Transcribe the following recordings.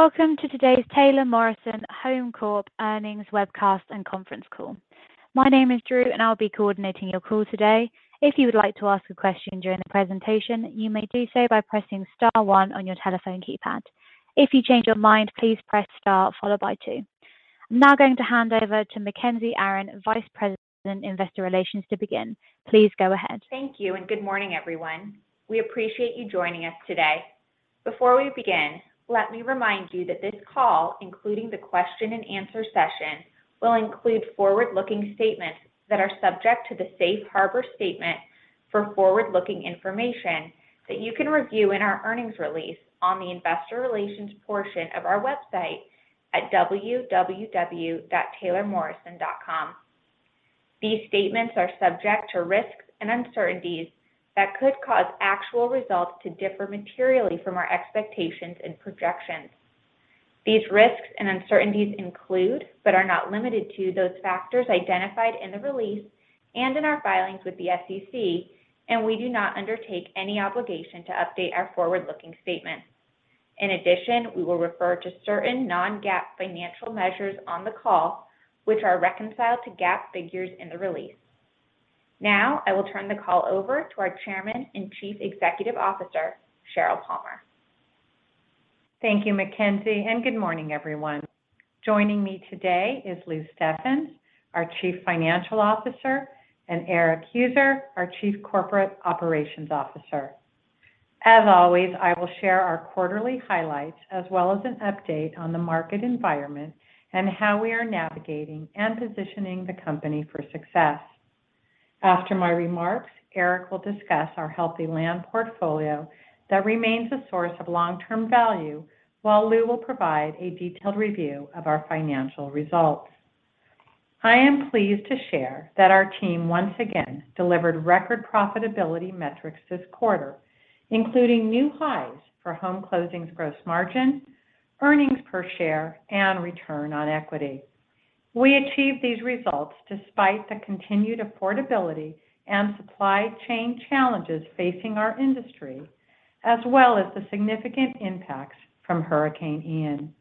Welcome to today's Taylor Morrison Home Corporation earnings webcast and conference call. My name is Drew, and I'll be coordinating your call today. If you would like to ask a question during the presentation, you may do so by pressing star one on your telephone keypad. If you change your mind, please press star followed by two. I'm now going to hand over to Mackenzie Aron, Vice President, Investor Relations, to begin. Please go ahead. Thank you, and good morning, everyone. We appreciate you joining us today. Before we begin, let me remind you that this call, including the question and answer session, will include forward-looking statements that are subject to the safe harbor statement for forward-looking information that you can review in our earnings release on the investor relations portion of our website at www.taylormorrison.com. These statements are subject to risks and uncertainties that could cause actual results to differ materially from our expectations and projections. These risks and uncertainties include, but are not limited to, those factors identified in the release and in our filings with the SEC, and we do not undertake any obligation to update our forward-looking statements. In addition, we will refer to certain non-GAAP financial measures on the call, which are reconciled to GAAP figures in the release. Now, I will turn the call over to our Chairman and Chief Executive Officer, Sheryl Palmer. Thank you, Mackenzie, and good morning, everyone. Joining me today is Louis Steffens, our Chief Financial Officer, and Erik Heuser, our Chief Corporate Operations Officer. As always, I will share our quarterly highlights as well as an update on the market environment and how we are navigating and positioning the company for success. After my remarks, Erik will discuss our healthy land portfolio that remains a source of long-term value, while Louis will provide a detailed review of our financial results. I am pleased to share that our team once again delivered record profitability metrics this quarter, including new highs for home closings gross margin, earnings per share, and return on equity. We achieved these results despite the continued affordability and supply chain challenges facing our industry, as well as the significant impacts from Hurricane Ian.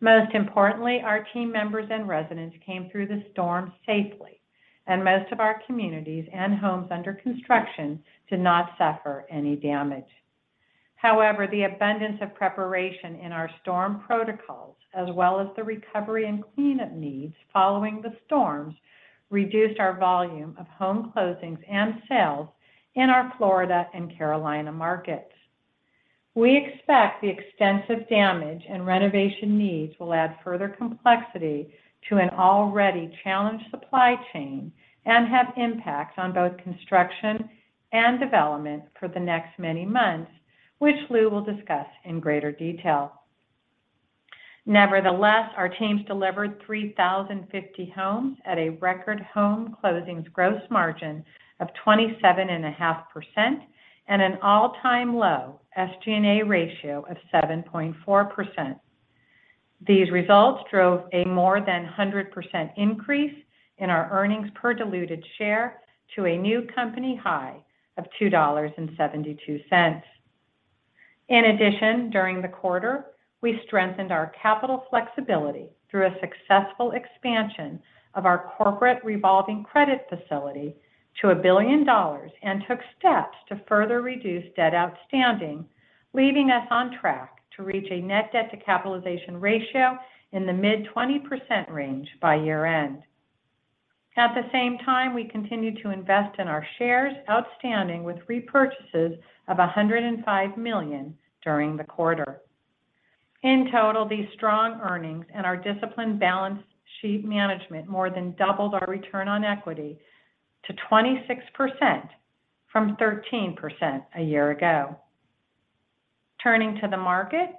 Most importantly, our team members and residents came through the storm safely, and most of our communities and homes under construction did not suffer any damage. However, the abundance of preparation in our storm protocols, as well as the recovery and cleanup needs following the storms, reduced our volume of home closings and sales in our Florida and Carolina markets. We expect the extensive damage and renovation needs will add further complexity to an already challenged supply chain and have impacts on both construction and development for the next many months, which Louis will discuss in greater detail. Nevertheless, our teams delivered 3,050 homes at a record home closings gross margin of 27.5% and an all-time low SG&A ratio of 7.4%. These results drove a more than 100% increase in our earnings per diluted share to a new company high of $2.72. In addition, during the quarter, we strengthened our capital flexibility through a successful expansion of our corporate revolving credit facility to $1 billion and took steps to further reduce debt outstanding, leaving us on track to reach a Net Debt to Capitalization ratio in the mid-20% range by year-end. At the same time, we continued to invest in our shares outstanding with repurchases of $105 million during the quarter. In total, these strong earnings and our disciplined balance sheet management more than doubled our Return on Equity to 26% from 13% a year ago. Turning to the market,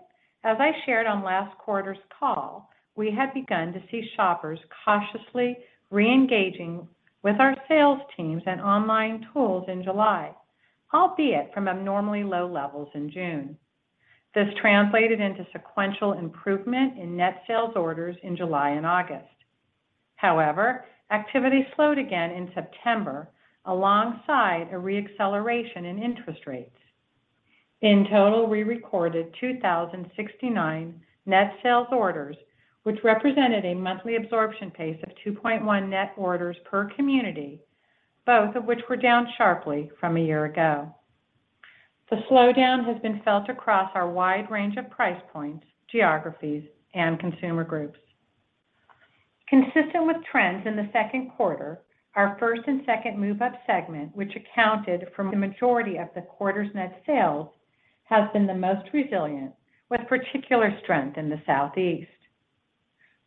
as I shared on last quarter's call, we had begun to see shoppers cautiously re-engaging with our sales teams and online tools in July, albeit from abnormally low levels in June. This translated into sequential improvement in net sales orders in July and August. However, activity slowed again in September alongside a re-acceleration in interest rates. In total, we recorded 2,069 net sales orders, which represented a monthly absorption pace of 2.1 net orders per community, both of which were down sharply from a year ago. The slowdown has been felt across our wide range of price points, geographies, and consumer groups. Consistent with trends in the second quarter, our first and second move up segment, which accounted for the majority of the quarter's net sales, has been the most resilient, with particular strength in the Southeast.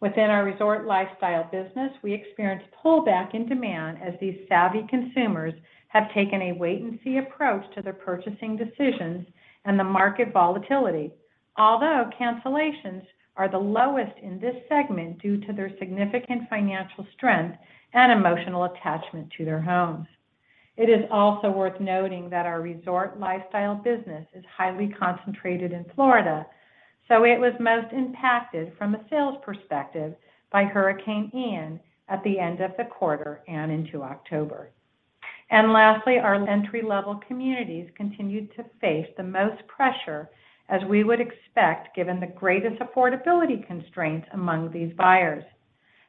Within our resort lifestyle business, we experienced pullback in demand as these savvy consumers have taken a wait and see approach to their purchasing decisions and the market volatility. Although cancellations are the lowest in this segment due to their significant financial strength and emotional attachment to their homes. It is also worth noting that our resort lifestyle business is highly concentrated in Florida, so it was most impacted from a sales perspective by Hurricane Ian at the end of the quarter and into October. Lastly, our entry-level communities continued to face the most pressure as we would expect, given the greatest affordability constraints among these buyers.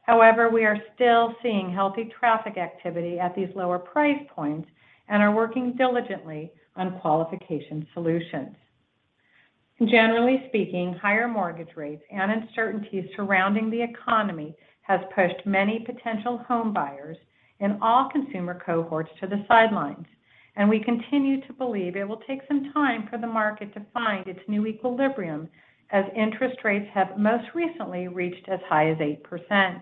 However, we are still seeing healthy traffic activity at these lower price points and are working diligently on qualification solutions. Generally speaking, higher mortgage rates and uncertainties surrounding the economy has pushed many potential home buyers in all consumer cohorts to the sidelines. We continue to believe it will take some time for the market to find its new equilibrium as interest rates have most recently reached as high as 8%.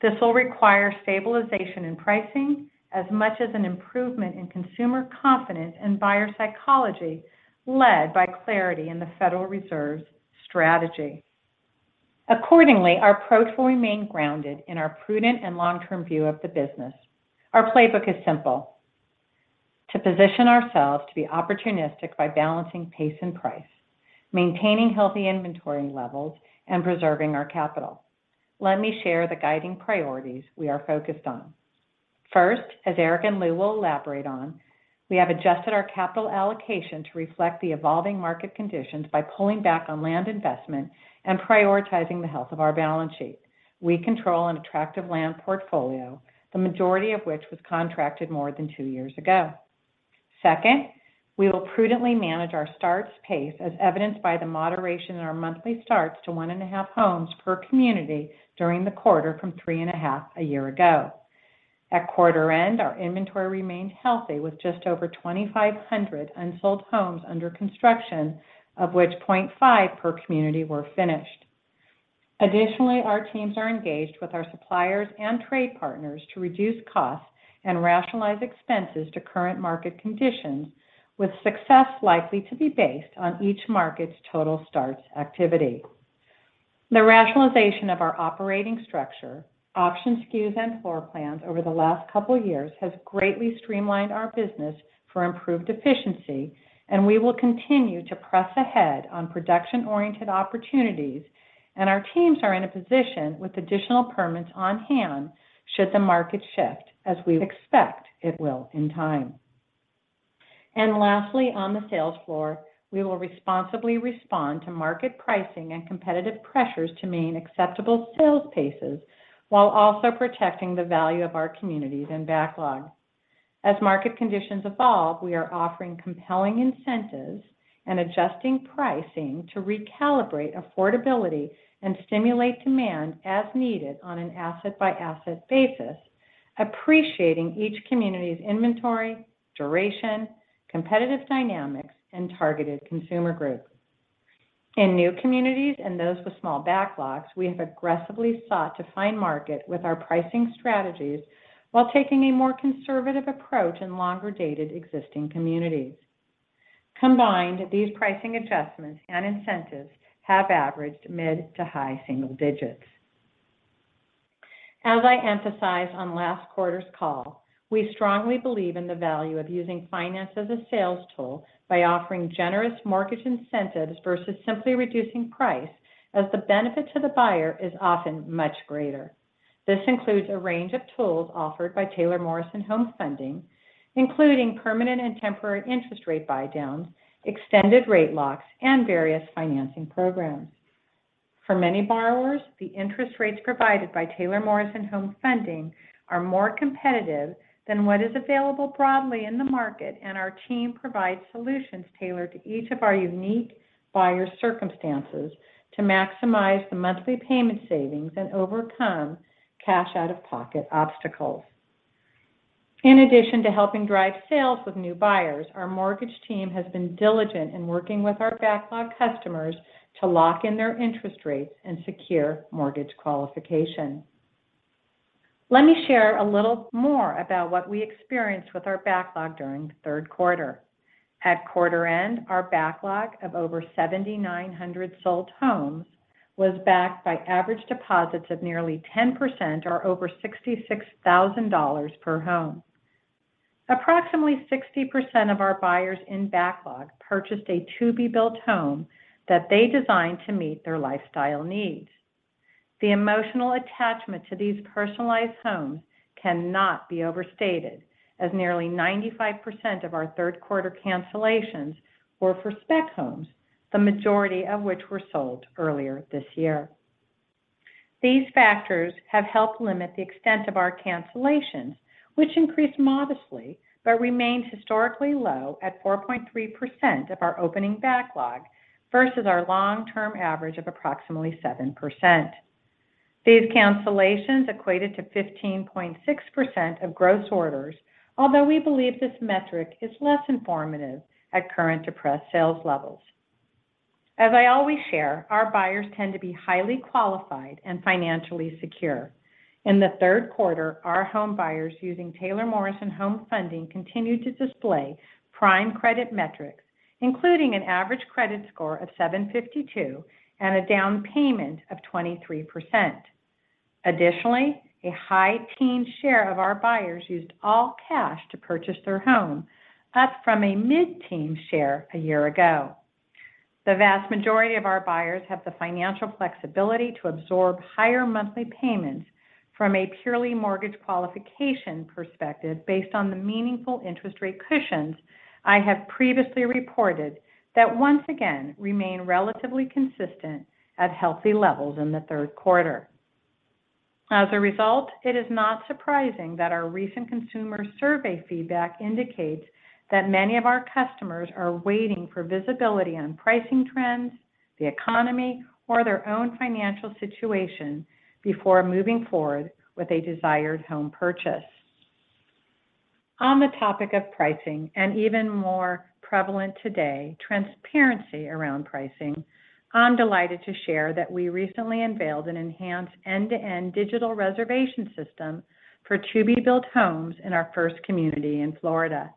This will require stabilization in pricing as much as an improvement in consumer confidence and buyer psychology, led by clarity in the Federal Reserve's strategy. Accordingly, our approach will remain grounded in our prudent and long-term view of the business. Our playbook is simple, to position ourselves to be opportunistic by balancing pace and price, maintaining healthy inventory levels, and preserving our capital. Let me share the guiding priorities we are focused on. First, as Erik and Louis will elaborate on, we have adjusted our capital allocation to reflect the evolving market conditions by pulling back on land investment and prioritizing the health of our balance sheet. We control an attractive land portfolio, the majority of which was contracted more than two years ago. Second, we will prudently manage our starts pace as evidenced by the moderation in our monthly starts to 1.5 homes per community during the quarter from 3.5 a year ago. At quarter end, our inventory remained healthy with just over 2,500 unsold homes under construction, of which 0.5 per community were finished. Additionally, our teams are engaged with our suppliers and trade partners to reduce costs and rationalize expenses to current market conditions, with success likely to be based on each market's total starts activity. The rationalization of our operating structure, option SKUs, and floor plans over the last couple years has greatly streamlined our business for improved efficiency, and we will continue to press ahead on production-oriented opportunities, and our teams are in a position with additional permits on hand should the market shift, as we expect it will in time. Lastly, on the sales floor, we will responsibly respond to market pricing and competitive pressures to maintain acceptable sales paces while also protecting the value of our communities and backlog. As market conditions evolve, we are offering compelling incentives and adjusting pricing to recalibrate affordability and stimulate demand as needed on an asset-by-asset basis, appreciating each community's inventory, duration, competitive dynamics, and targeted consumer groups. In new communities and those with small backlogs, we have aggressively sought to find market with our pricing strategies while taking a more conservative approach in longer-dated existing communities. Combined, these pricing adjustments and incentives have averaged mid to high single digits. As I emphasized on last quarter's call, we strongly believe in the value of using finance as a sales tool by offering generous mortgage incentives versus simply reducing price as the benefit to the buyer is often much greater. This includes a range of tools offered by Taylor Morrison Home Funding, including permanent and temporary interest rate buydowns, extended rate locks, and various financing programs. For many borrowers, the interest rates provided by Taylor Morrison Home Funding are more competitive than what is available broadly in the market, and our team provides solutions tailored to each of our unique buyer's circumstances to maximize the monthly payment savings and overcome cash out-of-pocket obstacles. In addition to helping drive sales with new buyers, our mortgage team has been diligent in working with our backlog customers to lock in their interest rates and secure mortgage qualification. Let me share a little more about what we experienced with our backlog during the third quarter. At quarter end, our backlog of over 7,900 sold homes was backed by average deposits of nearly 10% or over $66,000 per home. Approximately 60% of our buyers in backlog purchased a to-be-built home that they designed to meet their lifestyle needs. The emotional attachment to these personalized homes cannot be overstated as nearly 95% of our third quarter cancellations were for spec homes, the majority of which were sold earlier this year. These factors have helped limit the extent of our cancellations, which increased modestly but remained historically low at 4.3% of our opening backlog versus our long-term average of approximately 7%. These cancellations equated to 15.6% of gross orders, although we believe this metric is less informative at current depressed sales levels. As I always share, our buyers tend to be highly qualified and financially secure. In the third quarter, our home buyers using Taylor Morrison Home Funding continued to display prime credit metrics, including an average credit score of 752 and a down payment of 23%. Additionally, a high teen share of our buyers used all cash to purchase their home, up from a mid-teen share a year ago. The vast majority of our buyers have the financial flexibility to absorb higher monthly payments from a purely mortgage qualification perspective based on the meaningful interest rate cushions I have previously reported that once again remain relatively consistent at healthy levels in the third quarter. As a result, it is not surprising that our recent consumer survey feedback indicates that many of our customers are waiting for visibility on pricing trends, the economy, or their own financial situation before moving forward with a desired home purchase. On the topic of pricing and even more prevalent today, transparency around pricing, I'm delighted to share that we recently unveiled an enhanced end-to-end digital reservation system for to-be built homes in our first community in Florida.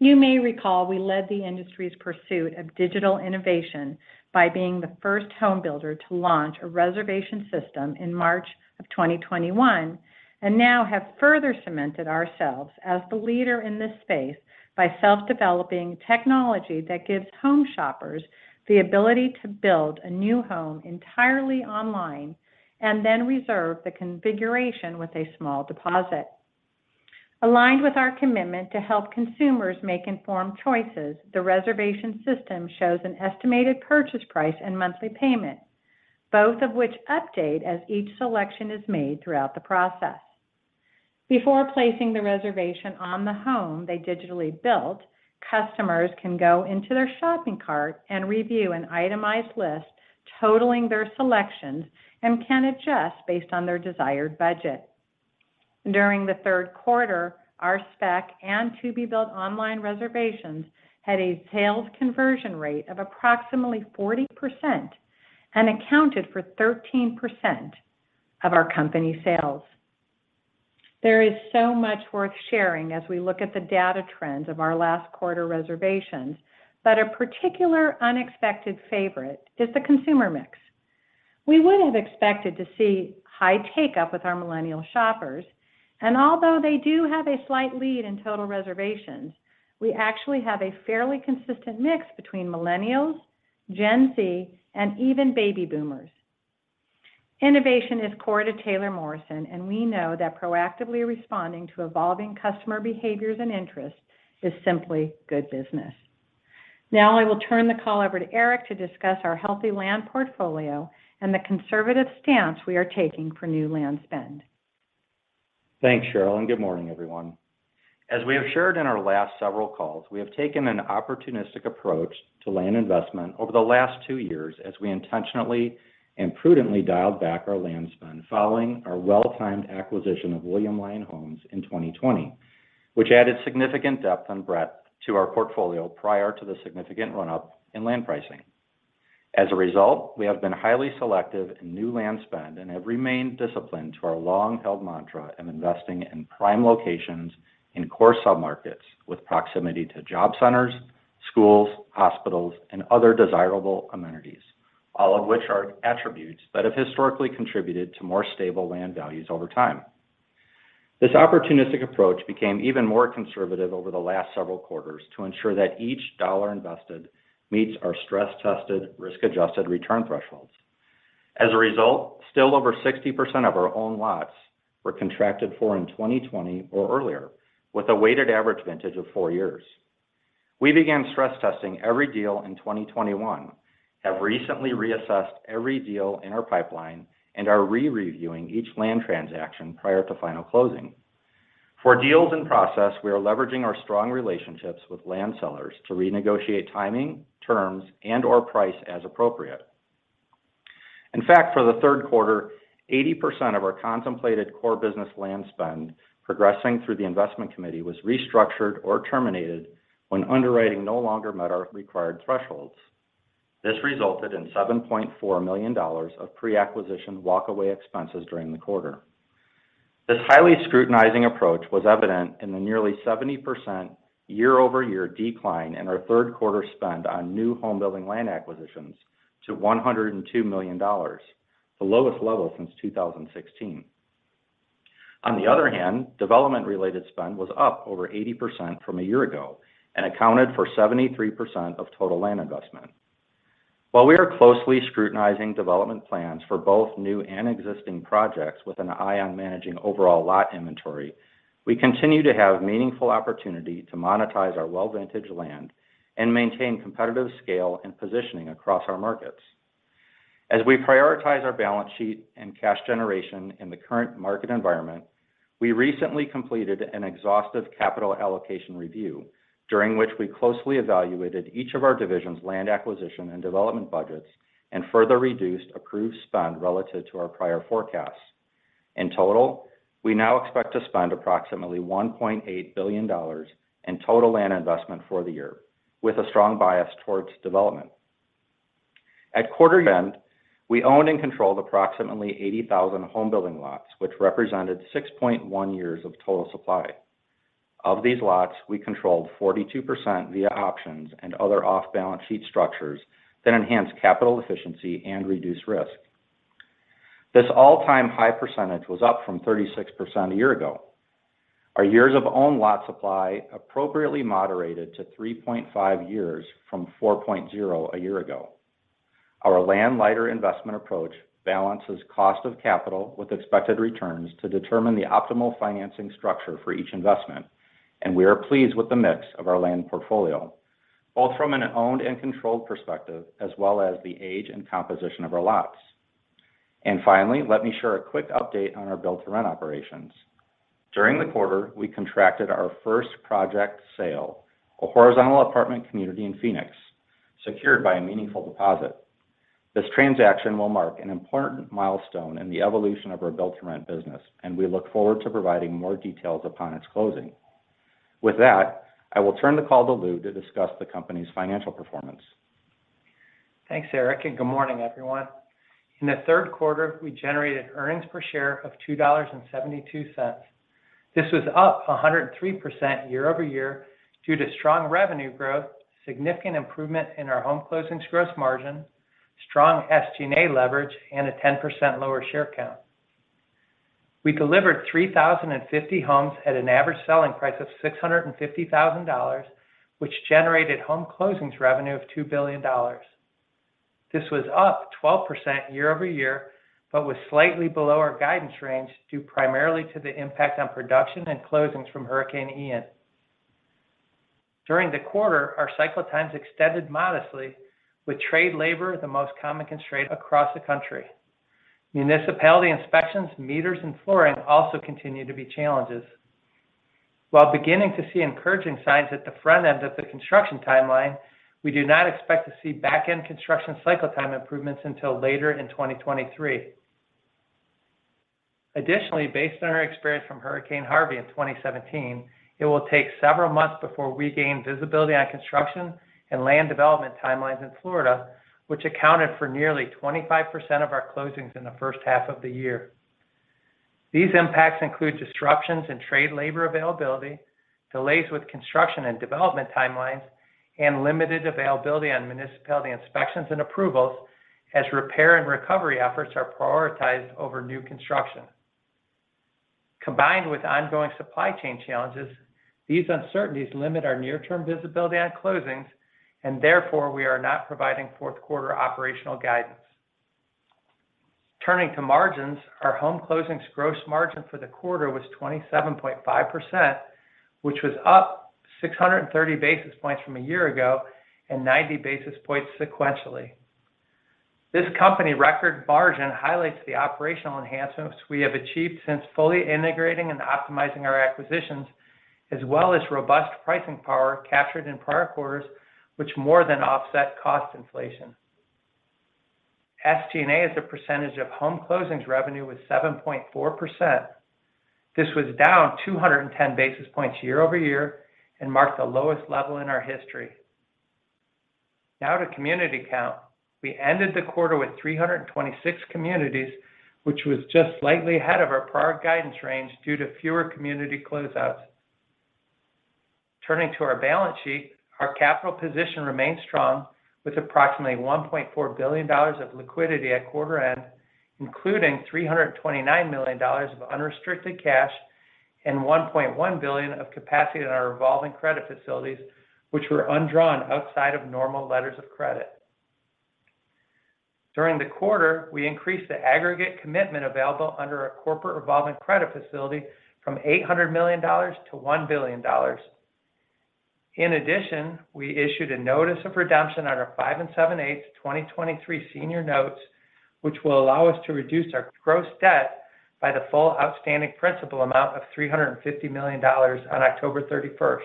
You may recall we led the industry's pursuit of digital innovation by being the first home builder to launch a reservation system in March 2021, and now have further cemented ourselves as the leader in this space by self-developing technology that gives home shoppers the ability to build a new home entirely online and then reserve the configuration with a small deposit. Aligned with our commitment to help consumers make informed choices, the reservation system shows an estimated purchase price and monthly payment, both of which update as each selection is made throughout the process. Before placing the reservation on the home they digitally built, customers can go into their shopping cart and review an itemized list totaling their selections and can adjust based on their desired budget. During the third quarter, our spec and to-be built online reservations had a sales conversion rate of approximately 40% and accounted for 13% of our company sales. There is so much worth sharing as we look at the data trends of our last quarter reservations, but a particular unexpected favorite is the consumer mix. We would have expected to see high take-up with our millennial shoppers, and although they do have a slight lead in total reservations, we actually have a fairly consistent mix between millennials, Gen Z, and even baby boomers. Innovation is core to Taylor Morrison, and we know that proactively responding to evolving customer behaviors and interests is simply good business. Now I will turn the call over to Erik to discuss our healthy land portfolio and the conservative stance we are taking for new land spend. Thanks, Sheryl, and good morning, everyone. As we have shared in our last several calls, we have taken an opportunistic approach to land investment over the last two years as we intentionally and prudently dialed back our land spend following our well-timed acquisition of William Lyon Homes in 2020, which added significant depth and breadth to our portfolio prior to the significant run-up in land pricing. As a result, we have been highly selective in new land spend and have remained disciplined to our long-held mantra of investing in prime locations in core submarkets with proximity to job centers, schools, hospitals, and other desirable amenities, all of which are attributes that have historically contributed to more stable land values over time. This opportunistic approach became even more conservative over the last several quarters to ensure that each dollar invested meets our stress-tested, risk-adjusted return thresholds. As a result, still over 60% of our own lots were contracted for in 2020 or earlier, with a weighted average vintage of four years. We began stress testing every deal in 2021, have recently reassessed every deal in our pipeline, and are re-reviewing each land transaction prior to final closing. For deals in process, we are leveraging our strong relationships with land sellers to renegotiate timing, terms, and/or price as appropriate. In fact, for the third quarter, 80% of our contemplated core business land spend progressing through the investment committee was restructured or terminated when underwriting no longer met our required thresholds. This resulted in $7.4 million of pre-acquisition walkaway expenses during the quarter. This highly scrutinizing approach was evident in the nearly 70% year-over-year decline in our third quarter spend on new home building land acquisitions to $102 million, the lowest level since 2016. On the other hand, development-related spend was up over 80% from a year ago and accounted for 73% of total land investment. While we are closely scrutinizing development plans for both new and existing projects with an eye on managing overall lot inventory, we continue to have meaningful opportunity to monetize our well-ventaged land and maintain competitive scale and positioning across our markets. As we prioritize our balance sheet and cash generation in the current market environment, we recently completed an exhaustive capital allocation review during which we closely evaluated each of our divisions' land acquisition and development budgets and further reduced approved spend relative to our prior forecasts. In total, we now expect to spend approximately $1.8 billion in total land investment for the year, with a strong bias towards development. At quarter end, we owned and controlled approximately 80,000 home building lots, which represented 6.1 years of total supply. Of these lots, we controlled 42% via options and other off-balance sheet structures that enhance capital efficiency and reduce risk. This all-time high percentage was up from 36% a year ago. Our years of own lot supply appropriately moderated to 3.5 years from 4.0 years a year ago. Our landlighter investment approach balances cost of capital with expected returns to determine the optimal financing structure for each investment, and we are pleased with the mix of our land portfolio, both from an owned and controlled perspective, as well as the age and composition of our lots. Finally, let me share a quick update on our build-to-rent operations. During the quarter, we contracted our first project sale, a horizontal apartment community in Phoenix, secured by a meaningful deposit. This transaction will mark an important milestone in the evolution of our build-to-rent business, and we look forward to providing more details upon its closing. With that, I will turn the call to Louis to discuss the company's financial performance. Thanks, Erik, and good morning, everyone. In the third quarter, we generated earnings per share of $2.72. This was up 103% year-over-year due to strong revenue growth, significant improvement in our home closings gross margin, strong SG&A leverage, and a 10% lower share count. We delivered 3,050 homes at an average selling price of $650,000, which generated home closings revenue of $2 billion. This was up 12% year-over-year, but was slightly below our guidance range due primarily to the impact on production and closings from Hurricane Ian. During the quarter, our cycle times extended modestly with trade labor the most common constraint across the country. Municipality inspections, meters, and flooring also continue to be challenges. While beginning to see encouraging signs at the front end of the construction timeline, we do not expect to see back-end construction cycle time improvements until later in 2023. Additionally, based on our experience from Hurricane Harvey in 2017, it will take several months before we gain visibility on construction and land development timelines in Florida, which accounted for nearly 25% of our closings in the first half of the year. These impacts include disruptions in trade labor availability, delays with construction and development timelines, and limited availability on municipality inspections and approvals as repair and recovery efforts are prioritized over new construction. Combined with ongoing supply chain challenges, these uncertainties limit our near term visibility on closings, and therefore we are not providing fourth quarter operational guidance. Turning to margins, our home closings gross margin for the quarter was 27.5%, which was up 630 basis points from a year ago and 90 basis points sequentially. This company record margin highlights the operational enhancements we have achieved since fully integrating and optimizing our acquisitions, as well as robust pricing power captured in prior quarters, which more than offset cost inflation. SG&A as a percentage of home closings revenue was 7.4%. This was down 210 basis points year-over-year and marked the lowest level in our history. Now to community count. We ended the quarter with 326 communities, which was just slightly ahead of our prior guidance range due to fewer community closeouts. Turning to our balance sheet, our capital position remains strong with approximately $1.4 billion of liquidity at quarter end, including $329 million of unrestricted cash and $1.1 billion of capacity in our revolving credit facilities, which were undrawn outside of normal letters of credit. During the quarter, we increased the aggregate commitment available under our corporate revolving credit facility from $800 million to $1 billion. In addition, we issued a notice of redemption on our 5 7/8% 2023 Senior Notes, which will allow us to reduce our gross debt by the full outstanding principal amount of $350 million on October 31.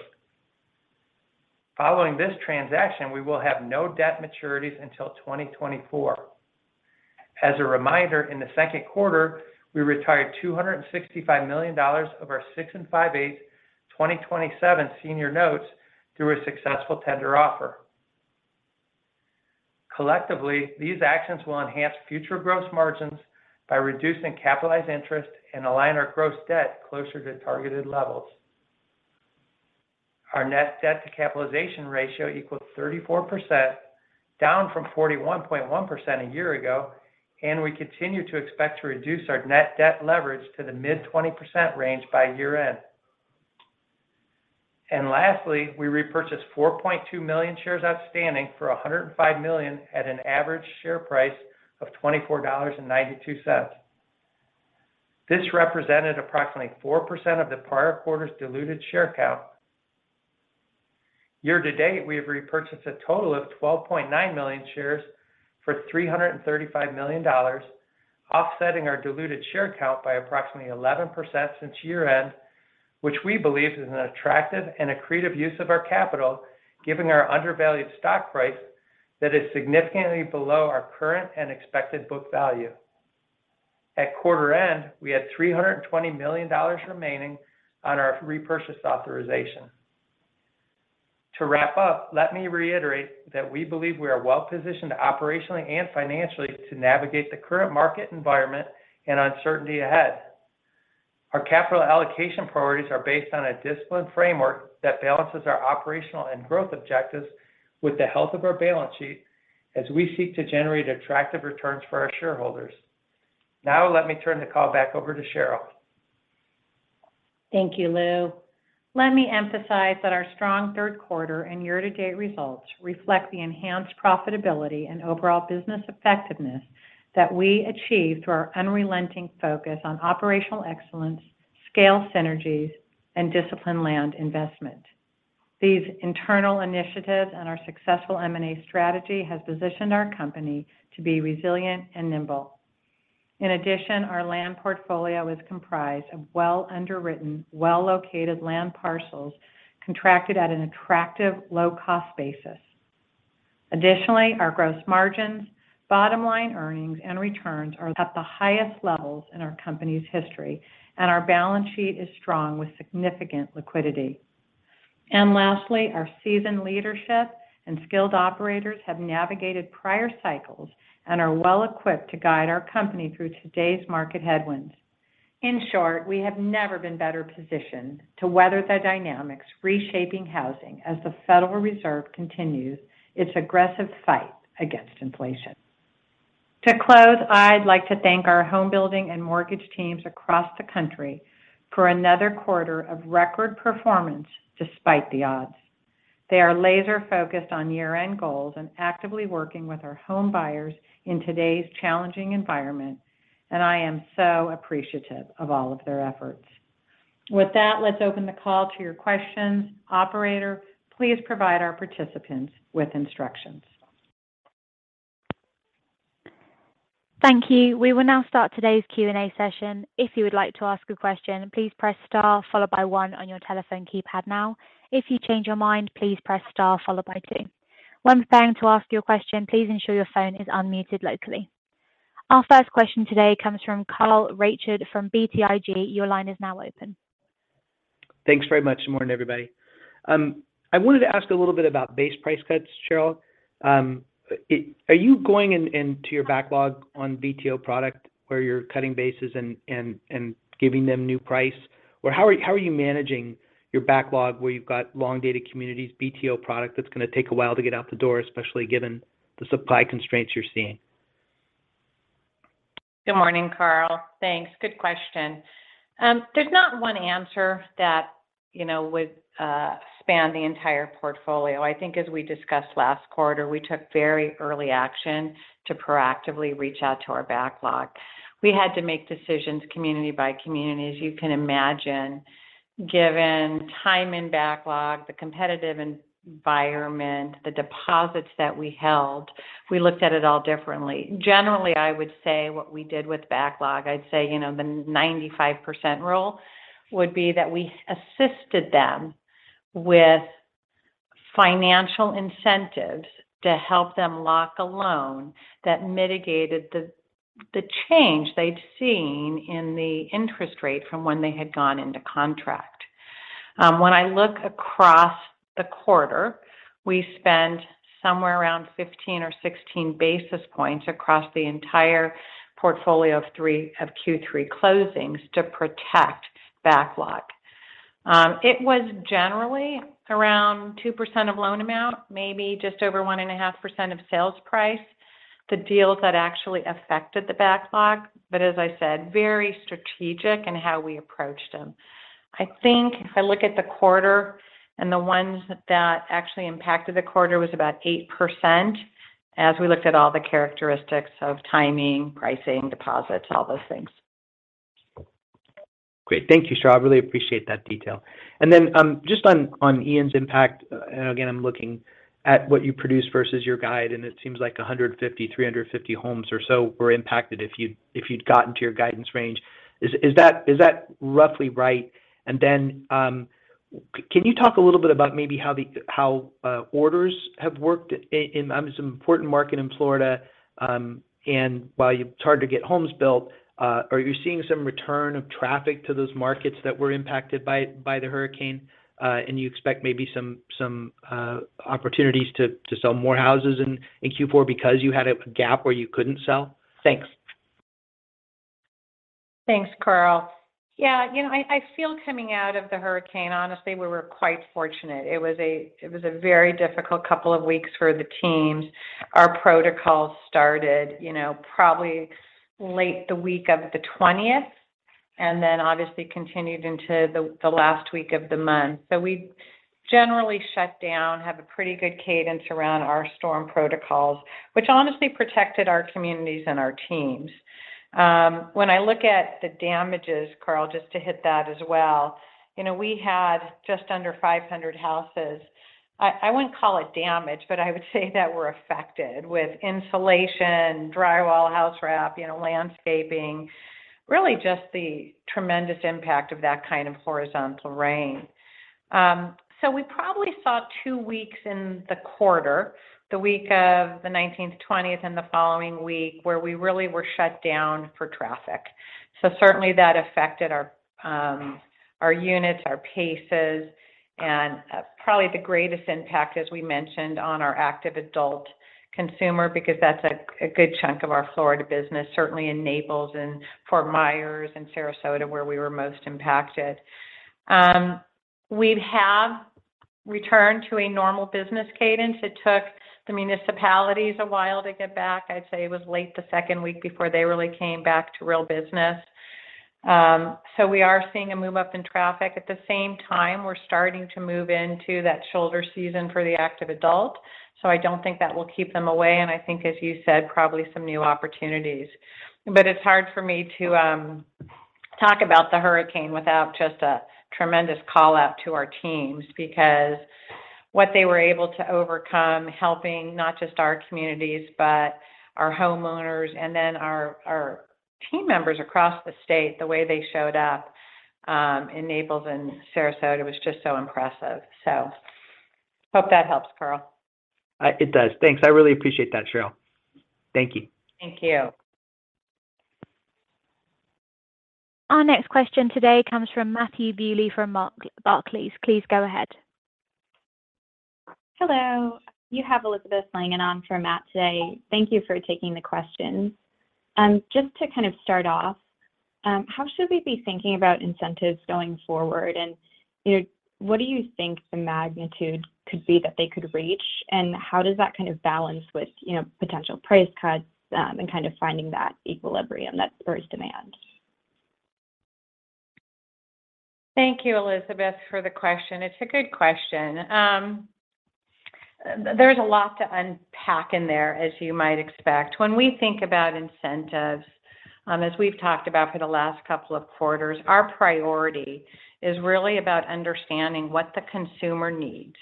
Following this transaction, we will have no debt maturities until 2024. As a reminder, in the second quarter, we retired $265 million of our 6 5/8% 2027 Senior Notes through a successful tender offer. Collectively, these actions will enhance future gross margins by reducing capitalized interest and align our gross debt closer to targeted levels. Our net debt to capitalization ratio equals 34%, down from 41.1% a year ago, and we continue to expect to reduce our net debt leverage to the mid-20% range by year end. Lastly, we repurchased 4.2 million shares outstanding for $105 million at an average share price of $24.92. This represented approximately 4% of the prior quarter's diluted share count. Year to date, we have repurchased a total of 12.9 million shares for $335 million, offsetting our diluted share count by approximately 11% since year end, which we believe is an attractive and accretive use of our capital, given our undervalued stock price that is significantly below our current and expected book value. At quarter end, we had $320 million remaining on our repurchase authorization. To wrap up, let me reiterate that we believe we are well positioned operationally and financially to navigate the current market environment and uncertainty ahead. Our capital allocation priorities are based on a disciplined framework that balances our operational and growth objectives with the health of our balance sheet as we seek to generate attractive returns for our shareholders. Now let me turn the call back over to Sheryl. Thank you, Louis. Let me emphasize that our strong third quarter and year-to-date results reflect the enhanced profitability and overall business effectiveness that we achieved through our unrelenting focus on operational excellence, scale synergies, and disciplined land investment. These internal initiatives and our successful M&A strategy has positioned our company to be resilient and nimble. In addition, our land portfolio is comprised of well-underwritten, well-located land parcels contracted at an attractive low-cost basis. Additionally, our gross margins, bottom line earnings, and returns are at the highest levels in our company's history, and our balance sheet is strong with significant liquidity. Lastly, our seasoned leadership and skilled operators have navigated prior cycles and are well-equipped to guide our company through today's market headwinds. In short, we have never been better positioned to weather the dynamics reshaping housing as the Federal Reserve continues its aggressive fight against inflation. To close, I'd like to thank our home building and mortgage teams across the country for another quarter of record performance despite the odds. They are laser-focused on year-end goals and actively working with our homebuyers in today's challenging environment, and I am so appreciative of all of their efforts. With that, let's open the call to your questions. Operator, please provide our participants with instructions. Thank you. We will now start today's Q&A session. If you would like to ask a question, please press star followed by one on your telephone keypad now. If you change your mind, please press star followed by two. When preparing to ask your question, please ensure your phone is unmuted locally. Our first question today comes from Carl Reichardt from BTIG. Your line is now open. Thanks very much. Good morning, everybody. I wanted to ask a little bit about base price cuts, Sheryl. Are you going into your backlog on BTO product where you're cutting bases and giving them new price? Or how are you managing your backlog where you've got long-dated communities, BTO product that's going to take a while to get out the door, especially given the supply constraints you're seeing? Good morning, Carl. Thanks. Good question. There's not one answer that, you know, would span the entire portfolio. I think as we discussed last quarter, we took very early action to proactively reach out to our backlog. We had to make decisions community by community, as you can imagine, given time in backlog, the competitive environment, the deposits that we held. We looked at it all differently. Generally, I would say what we did with backlog, I'd say, you know, the 95% rule would be that we assisted them with financial incentives to help them lock a loan that mitigated the change they'd seen in the interest rate from when they had gone into contract. When I look across the quarter, we spent somewhere around 15 or 16 basis points across the entire portfolio of 30% of Q3 closings to protect backlog. It was generally around 2% of loan amount, maybe just over 1.5% of sales price, the deals that actually affected the backlog. As I said, very strategic in how we approached them. I think if I look at the quarter and the ones that actually impacted the quarter was about 8% as we looked at all the characteristics of timing, pricing, deposits, all those things. Great. Thank you, Sheryl. I really appreciate that detail. Just on Hurricane Ian's impact, and again, I'm looking at what you produced versus your guide, and it seems like 150-350 homes or so were impacted if you'd gotten to your guidance range. Is that roughly right? Can you talk a little bit about maybe how orders have worked in, it's an important market in Florida, and while it's hard to get homes built, are you seeing some return of traffic to those markets that were impacted by the hurricane, and you expect maybe some opportunities to sell more houses in Q4 because you had a gap where you couldn't sell? Thanks. Thanks, Carl. Yeah, you know, I feel coming out of the hurricane, honestly, we were quite fortunate. It was a very difficult couple of weeks for the teams. Our protocol started, you know, probably late the week of the 20th and then obviously continued into the last week of the month. We generally shut down, have a pretty good cadence around our storm protocols, which honestly protected our communities and our teams. When I look at the damages, Carl, just to hit that as well, you know, we had just under 500 houses. I wouldn't call it damage, but I would say that were affected with insulation, drywall, house wrap, you know, landscaping, really just the tremendous impact of that kind of horizontal rain. We probably saw two weeks in the quarter, the week of the nineteenth, twentieth, and the following week where we really were shut down for traffic. Certainly that affected our our units, our paces, and probably the greatest impact, as we mentioned, on our active adult consumer because that's a good chunk of our Florida business, certainly in Naples and Fort Myers and Sarasota, where we were most impacted. We have returned to a normal business cadence. It took the municipalities a while to get back. I'd say it was late the second week before they really came back to real business. We are seeing a move up in traffic. At the same time, we're starting to move into that shoulder season for the active adult, so I don't think that will keep them away, and I think, as you said, probably some new opportunities. It's hard for me to talk about the hurricane without just a tremendous call-out to our teams because what they were able to overcome, helping not just our communities, but our homeowners and then our team members across the state, the way they showed up in Naples and Sarasota was just so impressive. Hope that helps, Carl. It does. Thanks. I really appreciate that, Sheryl. Thank you. Thank you. Our next question today comes from Matthew Bouley from Barclays. Please go ahead. Hello. You have Elizabeth Langan for Matt today. Thank you for taking the questions. Just to kind of start off, how should we be thinking about incentives going forward, and, you know, what do you think the magnitude could be that they could reach, and how does that kind of balance with, you know, potential price cuts, and kind of finding that equilibrium that spurs demand? Thank you, Elizabeth, for the question. It's a good question. There's a lot to unpack in there, as you might expect. When we think about incentives, as we've talked about for the last couple of quarters, our priority is really about understanding what the consumer needs.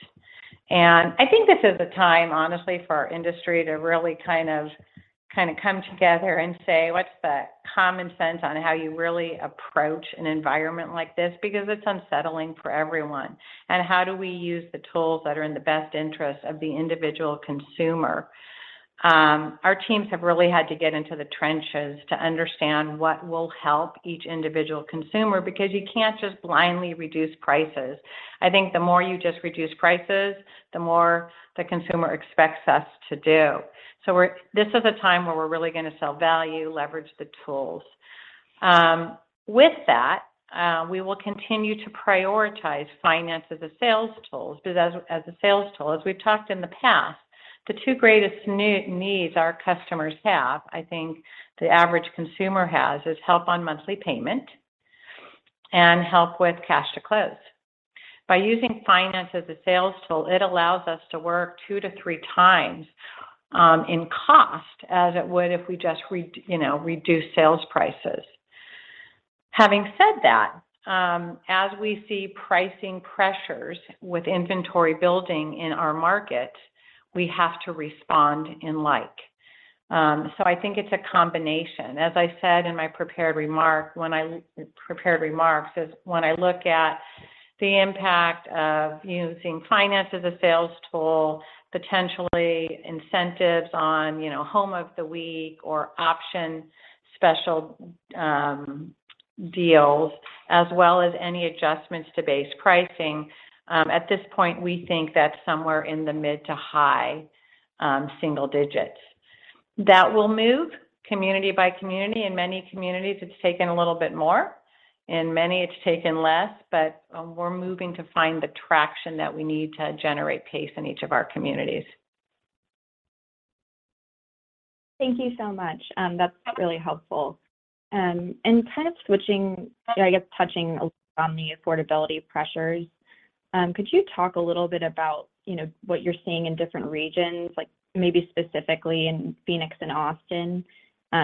I think this is a time, honestly, for our industry to really kind of come together and say, "What's the common sense on how you really approach an environment like this?" Because it's unsettling for everyone, and how do we use the tools that are in the best interest of the individual consumer? Our teams have really had to get into the trenches to understand what will help each individual consumer because you can't just blindly reduce prices. I think the more you just reduce prices, the more the consumer expects us to do. This is a time where we're really gonna sell value, leverage the tools. With that, we will continue to prioritize finance as a sales tool. As we've talked in the past, the two greatest needs our customers have, I think the average consumer has, is help on monthly payment and help with cash to close. By using finance as a sales tool, it allows us to work 2-3x in cost as it would if we just you know, reduced sales prices. Having said that, as we see pricing pressures with inventory building in our market, we have to respond in kind. I think it's a combination. As I said in my prepared remarks, when I look at the impact of using financing as a sales tool, potential incentives on, you know, home of the week or option special deals, as well as any adjustments to base pricing, at this point, we think that's somewhere in the mid- to high-single digits. That will move community by community. In many communities, it's taken a little bit more. In many, it's taken less. We're moving to find the traction that we need to generate pace in each of our communities. Thank you so much. That's really helpful. Kind of switching, I guess touching on the affordability pressures, could you talk a little bit about, you know, what you're seeing in different regions, like maybe specifically in Phoenix and Austin,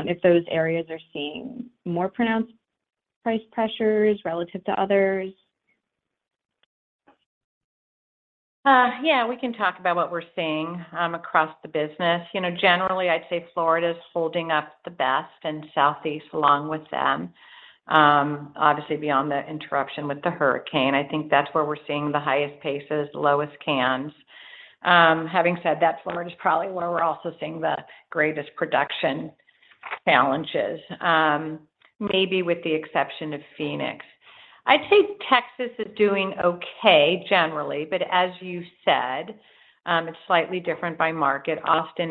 if those areas are seeing more pronounced price pressures relative to others? Yeah, we can talk about what we're seeing across the business. You know, generally, I'd say Florida's holding up the best, and Southeast along with them. Obviously, beyond the interruption with the hurricane, I think that's where we're seeing the highest paces, lowest cans. Having said that, Florida's probably where we're also seeing the greatest production challenges, maybe with the exception of Phoenix. I'd say Texas is doing okay generally, but as you said, it's slightly different by market. Austin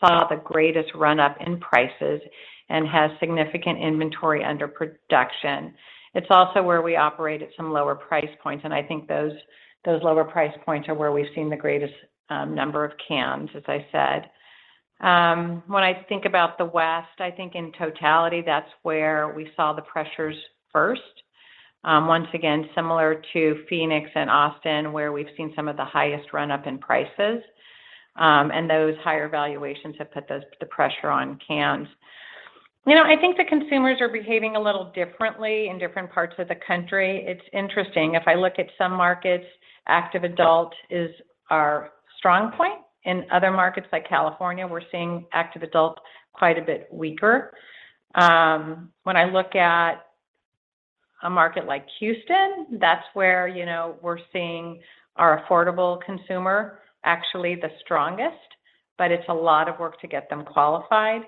saw the greatest run-up in prices and has significant inventory under production. It's also where we operate at some lower price points, and I think those lower price points are where we've seen the greatest number of cans, as I said. When I think about the West, I think in totality, that's where we saw the pressures first. Once again, similar to Phoenix and Austin, where we've seen some of the highest run-up in prices, and those higher valuations have put the pressure on cans. You know, I think the consumers are behaving a little differently in different parts of the country. It's interesting. If I look at some markets, active adult is our strong point. In other markets like California, we're seeing active adult quite a bit weaker. When I look at a market like Houston, that's where, you know, we're seeing our affordable consumer actually the strongest. It's a lot of work to get them qualified.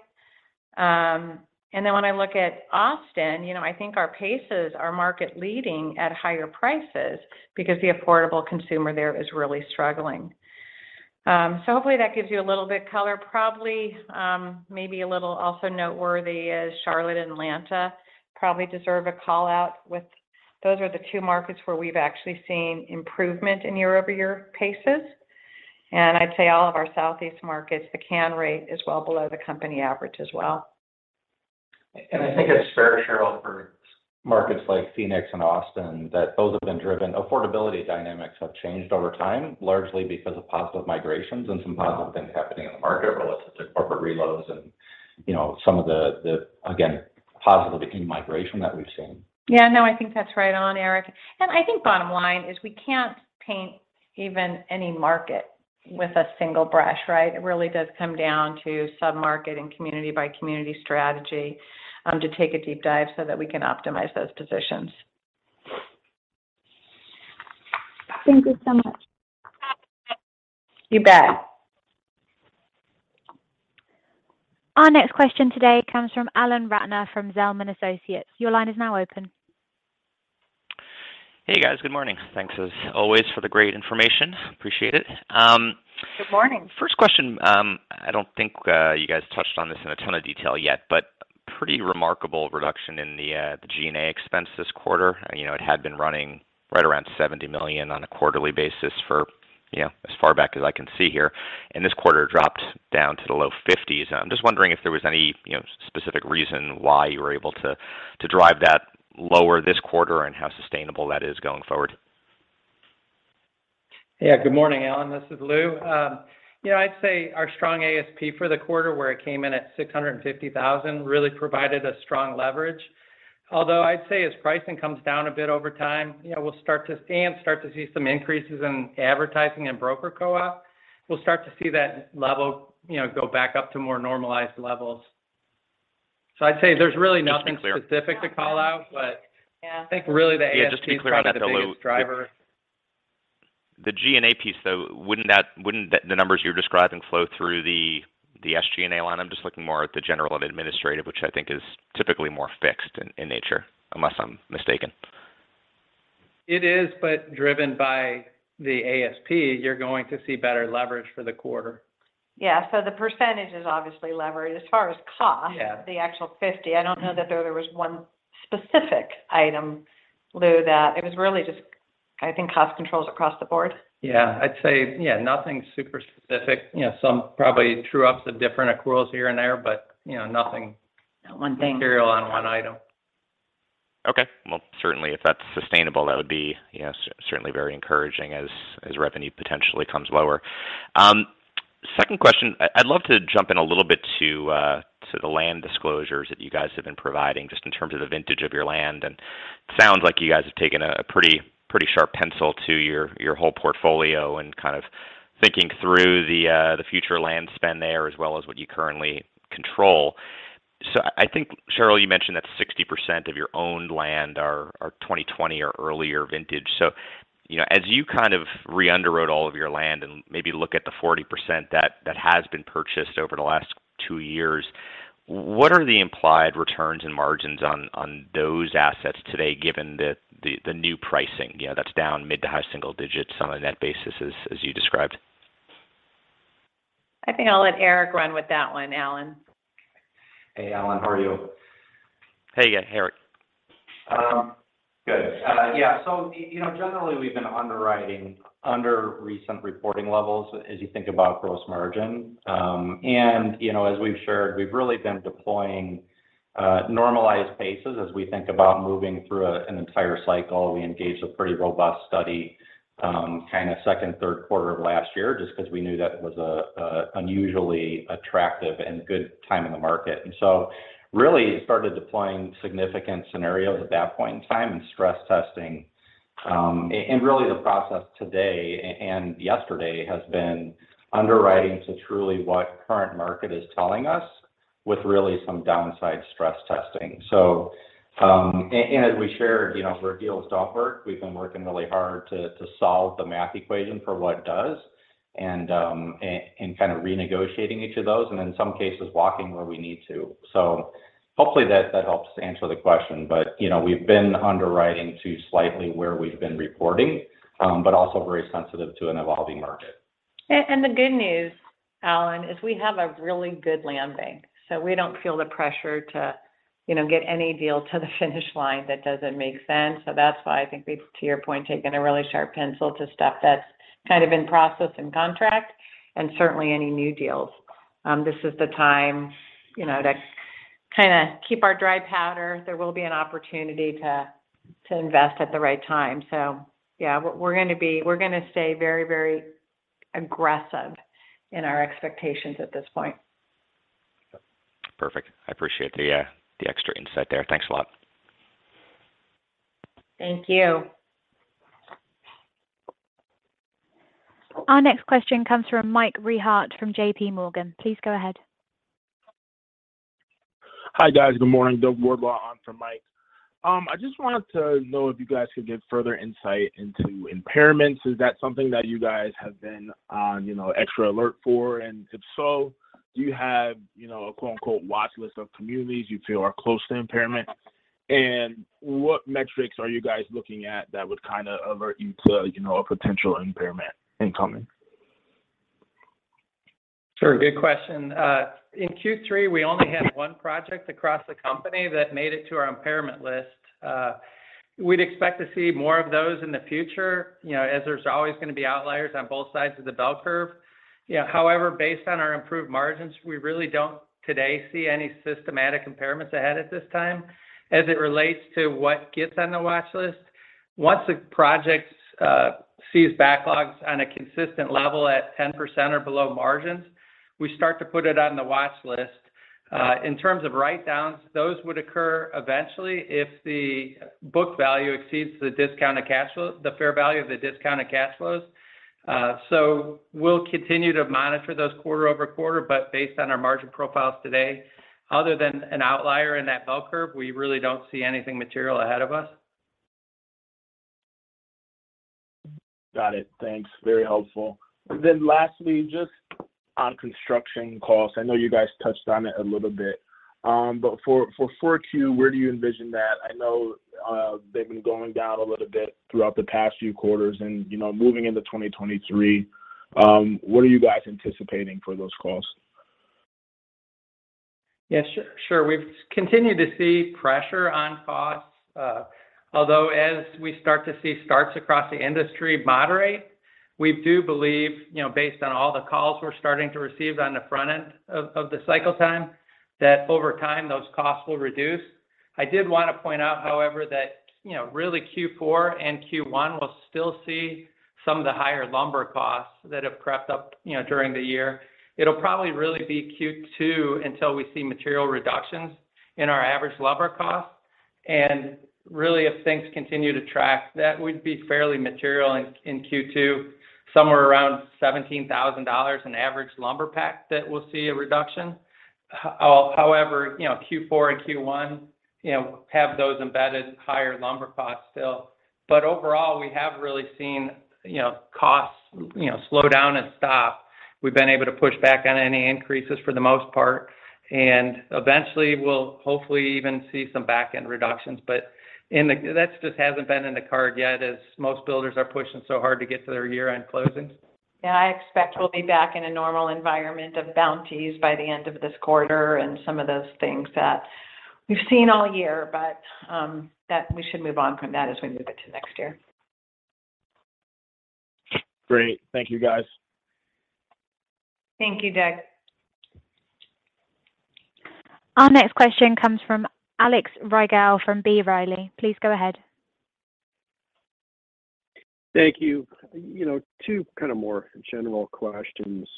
When I look at Austin, you know, I think our paces are market leading at higher prices because the affordable consumer there is really struggling. Hopefully that gives you a little bit color. Probably, maybe a little also noteworthy is Charlotte, Atlanta probably deserve a call-out with. Those are the two markets where we've actually seen improvement in year-over-year paces. I'd say all of our southeast markets, the CAN rate is well below the company average as well. I think it's fair, Sheryl, for markets like Phoenix and Austin, that those have been driven. Affordability dynamics have changed over time, largely because of positive migrations and some positive things happening in the market related to corporate relocations and, you know, some of the, again, positive in-migration that we've seen. Yeah. No, I think that's right on, Erik. I think bottom line is we can't paint even any market with a single brush, right? It really does come down to submarket and community by community strategy, to take a deep dive so that we can optimize those positions. Thank you so much. You bet. Our next question today comes from Alan Ratner from Zelman & Associates. Your line is now open. Hey, guys. Good morning. Thanks as always for the great information. Appreciate it. Good morning. First question, I don't think you guys touched on this in a ton of detail yet, but pretty remarkable reduction in the G&A expense this quarter. You know, it had been running right around $70 million on a quarterly basis for, you know, as far back as I can see here. This quarter dropped down to the low $50s. I'm just wondering if there was any, you know, specific reason why you were able to to drive that lower this quarter and how sustainable that is going forward. Yeah, good morning, Alan. This is Louis. You know, I'd say our strong ASP for the quarter where it came in at $650,000 really provided a strong leverage. Although I'd say as pricing comes down a bit over time, you know, we'll start to see some increases in advertising and broker co-op. We'll start to see that level, you know, go back up to more normalized levels. I'd say there's really nothing specific to call out. Yeah. I think really the ASP is probably the biggest driver. The G&A piece, though, wouldn't the numbers you're describing flow through the SG&A line? I'm just looking more at the general and administrative, which I think is typically more fixed in nature, unless I'm mistaken. It is, but driven by the ASP, you're going to see better leverage for the quarter. Yeah. The percentage is obviously leverage. As far as cost. Yeah The actual 50, I don't know that there was one specific item, Louis. It was really just, I think, cost controls across the board. Yeah. I'd say nothing super specific. You know, some probably true-ups of different accruals here and there, but, you know, nothing. Not one thing. Material on one item. Okay. Well, certainly if that's sustainable, that would be, you know, certainly very encouraging as revenue potentially comes lower. Second question, I'd love to jump in a little bit to the land disclosures that you guys have been providing just in terms of the vintage of your land. It sounds like you guys have taken a pretty sharp pencil to your whole portfolio and kind of thinking through the future land spend there as well as what you currently control. I think, Sheryl, you mentioned that 60% of your own land are 2020 or earlier vintage. You know, as you kind of re-underwrote all of your land and maybe look at the 40% that has been purchased over the last two years, what are the implied returns and margins on those assets today given the new pricing, you know, that's down mid- to high-single digits on a net basis as you described? I think I'll let Erik run with that one, Alan. Hey, Alan. How are you? Hey, Erik. Good. Yeah. You know, generally, we've been underwriting under recent reporting levels as you think about gross margin. You know, as we've shared, we've really been deploying normalized paces as we think about moving through an entire cycle. We engaged a pretty robust study kind of second, third quarter of last year just 'cause we knew that was an unusually attractive and good time in the market. Really started deploying significant scenarios at that point in time and stress testing. Really the process today and yesterday has been underwriting to truly what the current market is telling us with really some downside stress testing. as we shared, you know, where deals don't work, we've been working really hard to solve the math equation for what does and kind of renegotiating each of those, and in some cases, walking where we need to. Hopefully that helps answer the question. You know, we've been underwriting to slightly where we've been reporting, but also very sensitive to an evolving market. The good news, Alan, is we have a really good landing, so we don't feel the pressure to, you know, get any deal to the finish line that doesn't make sense. That's why I think we've, to your point, taken a really sharp pencil to stuff that's kind of in process and contract and certainly any new deals. This is the time, you know, to kind of keep our dry powder. There will be an opportunity to invest at the right time. Yeah, we're gonna stay very, very aggressive in our expectations at this point. Perfect. I appreciate the extra insight there. Thanks a lot. Thank you. Our next question comes from Mike Rehaut from JPMorgan. Please go ahead. Hi, guys. Good morning. Doug Wardlaw on for Mike. I just wanted to know if you guys could give further insight into impairments. Is that something that you guys have been on, you know, extra alert for? If so, do you have, you know, a quote-unquote watch list of communities you feel are close to impairment? What metrics are you guys looking at that would kinda alert you to a, you know, a potential impairment incoming? Sure. Good question. In Q3, we only had one project across the company that made it to our impairment list. We'd expect to see more of those in the future, you know, as there's always gonna be outliers on both sides of the bell curve. Yeah. However, based on our improved margins, we really don't today see any systematic impairments ahead at this time. As it relates to what gets on the watch list, once a project sees backlogs on a consistent level at 10% or below margins, we start to put it on the watch list. In terms of write-downs, those would occur eventually if the book value exceeds the discounted cash flow, the fair value of the discounted cash flows. So we'll continue to monitor those quarter-over-quarter. Based on our margin profiles today, other than an outlier in that bell curve, we really don't see anything material ahead of us. Got it. Thanks. Very helpful. Lastly, just on construction costs, I know you guys touched on it a little bit. For 4Q, where do you envision that? I know, they've been going down a little bit throughout the past few quarters and, you know, moving into 2023, what are you guys anticipating for those costs? Yeah, sure. We've continued to see pressure on costs. Although as we start to see starts across the industry moderate, we do believe, you know, based on all the calls we're starting to receive on the front end of the cycle time, that over time those costs will reduce. I did wanna point out, however, that, you know, really Q4 and Q1 will still see some of the higher lumber costs that have crept up, you know, during the year. It'll probably really be Q2 until we see material reductions in our average lumber costs. Really, if things continue to track, that would be fairly material in Q2, somewhere around $17,000 an average lumber pack that we'll see a reduction. However, you know, Q4 and Q1, you know, have those embedded higher lumber costs still. Overall, we have really seen, you know, costs, you know, slow down and stop. We've been able to push back on any increases for the most part, and eventually we'll hopefully even see some back-end reductions. That just hasn't been in the cards yet as most builders are pushing so hard to get to their year-end closings. Yeah, I expect we'll be back in a normal environment of bounties by the end of this quarter and some of those things that we've seen all year that we should move on from that as we move into next year. Great. Thank you, guys. Thank you, Doug. Our next question comes from Alex Rygiel from B. Riley. Please go ahead. Thank you. You know, two kind of more general questions.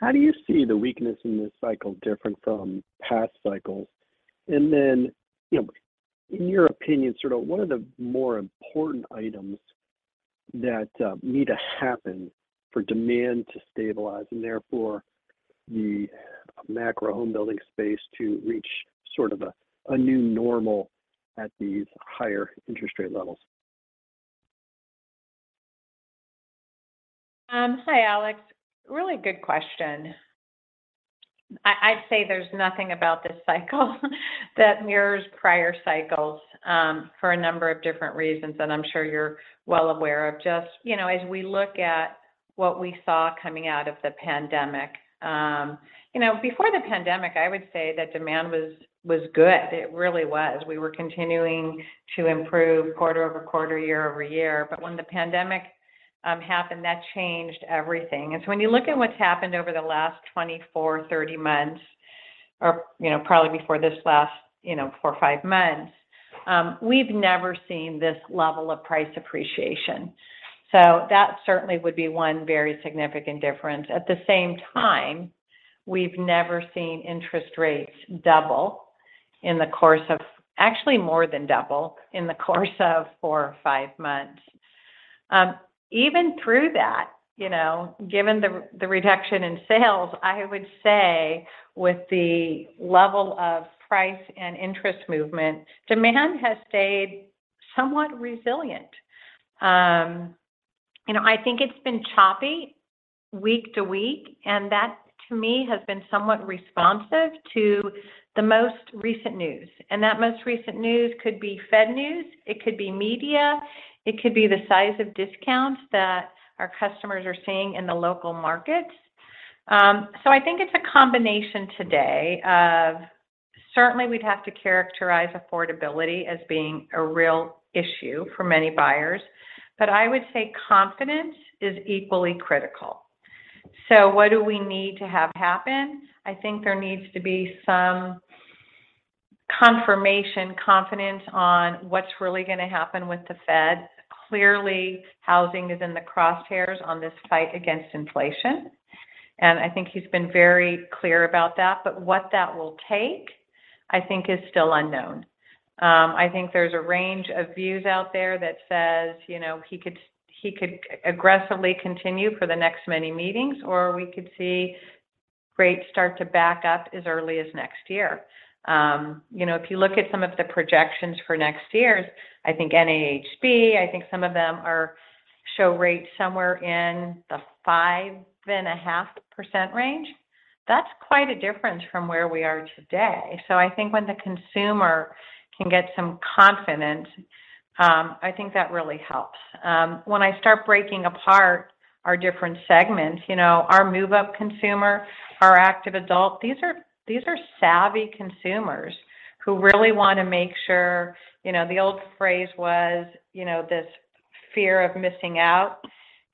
How do you see the weakness in this cycle different from past cycles? Then, you know, in your opinion, sort of what are the more important items that need to happen for demand to stabilize and therefore the macro home building space to reach sort of a new normal at these higher interest rate levels? Hi, Alex. Really good question. I'd say there's nothing about this cycle that mirrors prior cycles for a number of different reasons, and I'm sure you're well aware of just you know, as we look at what we saw coming out of the pandemic. You know, before the pandemic, I would say that demand was good. It really was. We were continuing to improve quarter-over-quarter, year-over-year. When the pandemic happened, that changed everything. When you look at what's happened over the last 24, 30 months, or you know, probably before this last you know, four or five months, we've never seen this level of price appreciation. So that certainly would be one very significant difference. At the same time, we've never seen interest rates double in the course of. Actually more than double in the course of four or five months. Even through that, you know, given the reduction in sales, I would say with the level of price and interest movement, demand has stayed somewhat resilient. You know, I think it's been choppy week to week, and that to me has been somewhat responsive to the most recent news. That most recent news could be Fed news, it could be media, it could be the size of discounts that our customers are seeing in the local markets. I think it's a combination today of certainly we'd have to characterize affordability as being a real issue for many buyers. I would say confidence is equally critical. What do we need to have happen? I think there needs to be some confirmation, confidence on what's really gonna happen with the Fed. Clearly, housing is in the crosshairs on this fight against inflation, and I think he's been very clear about that. What that will take, I think is still unknown. I think there's a range of views out there that says, you know, he could aggressively continue for the next many meetings, or we could see rates start to back up as early as next year. You know, if you look at some of the projections for next year, I think NAHB, I think some of them are show rates somewhere in the 5.5% range. That's quite a difference from where we are today. I think when the consumer can get some confidence, I think that really helps. When I start breaking apart our different segments, you know, our move-up consumer, our active adult, these are savvy consumers who really want to make sure. You know, the old phrase was, you know, this fear of missing out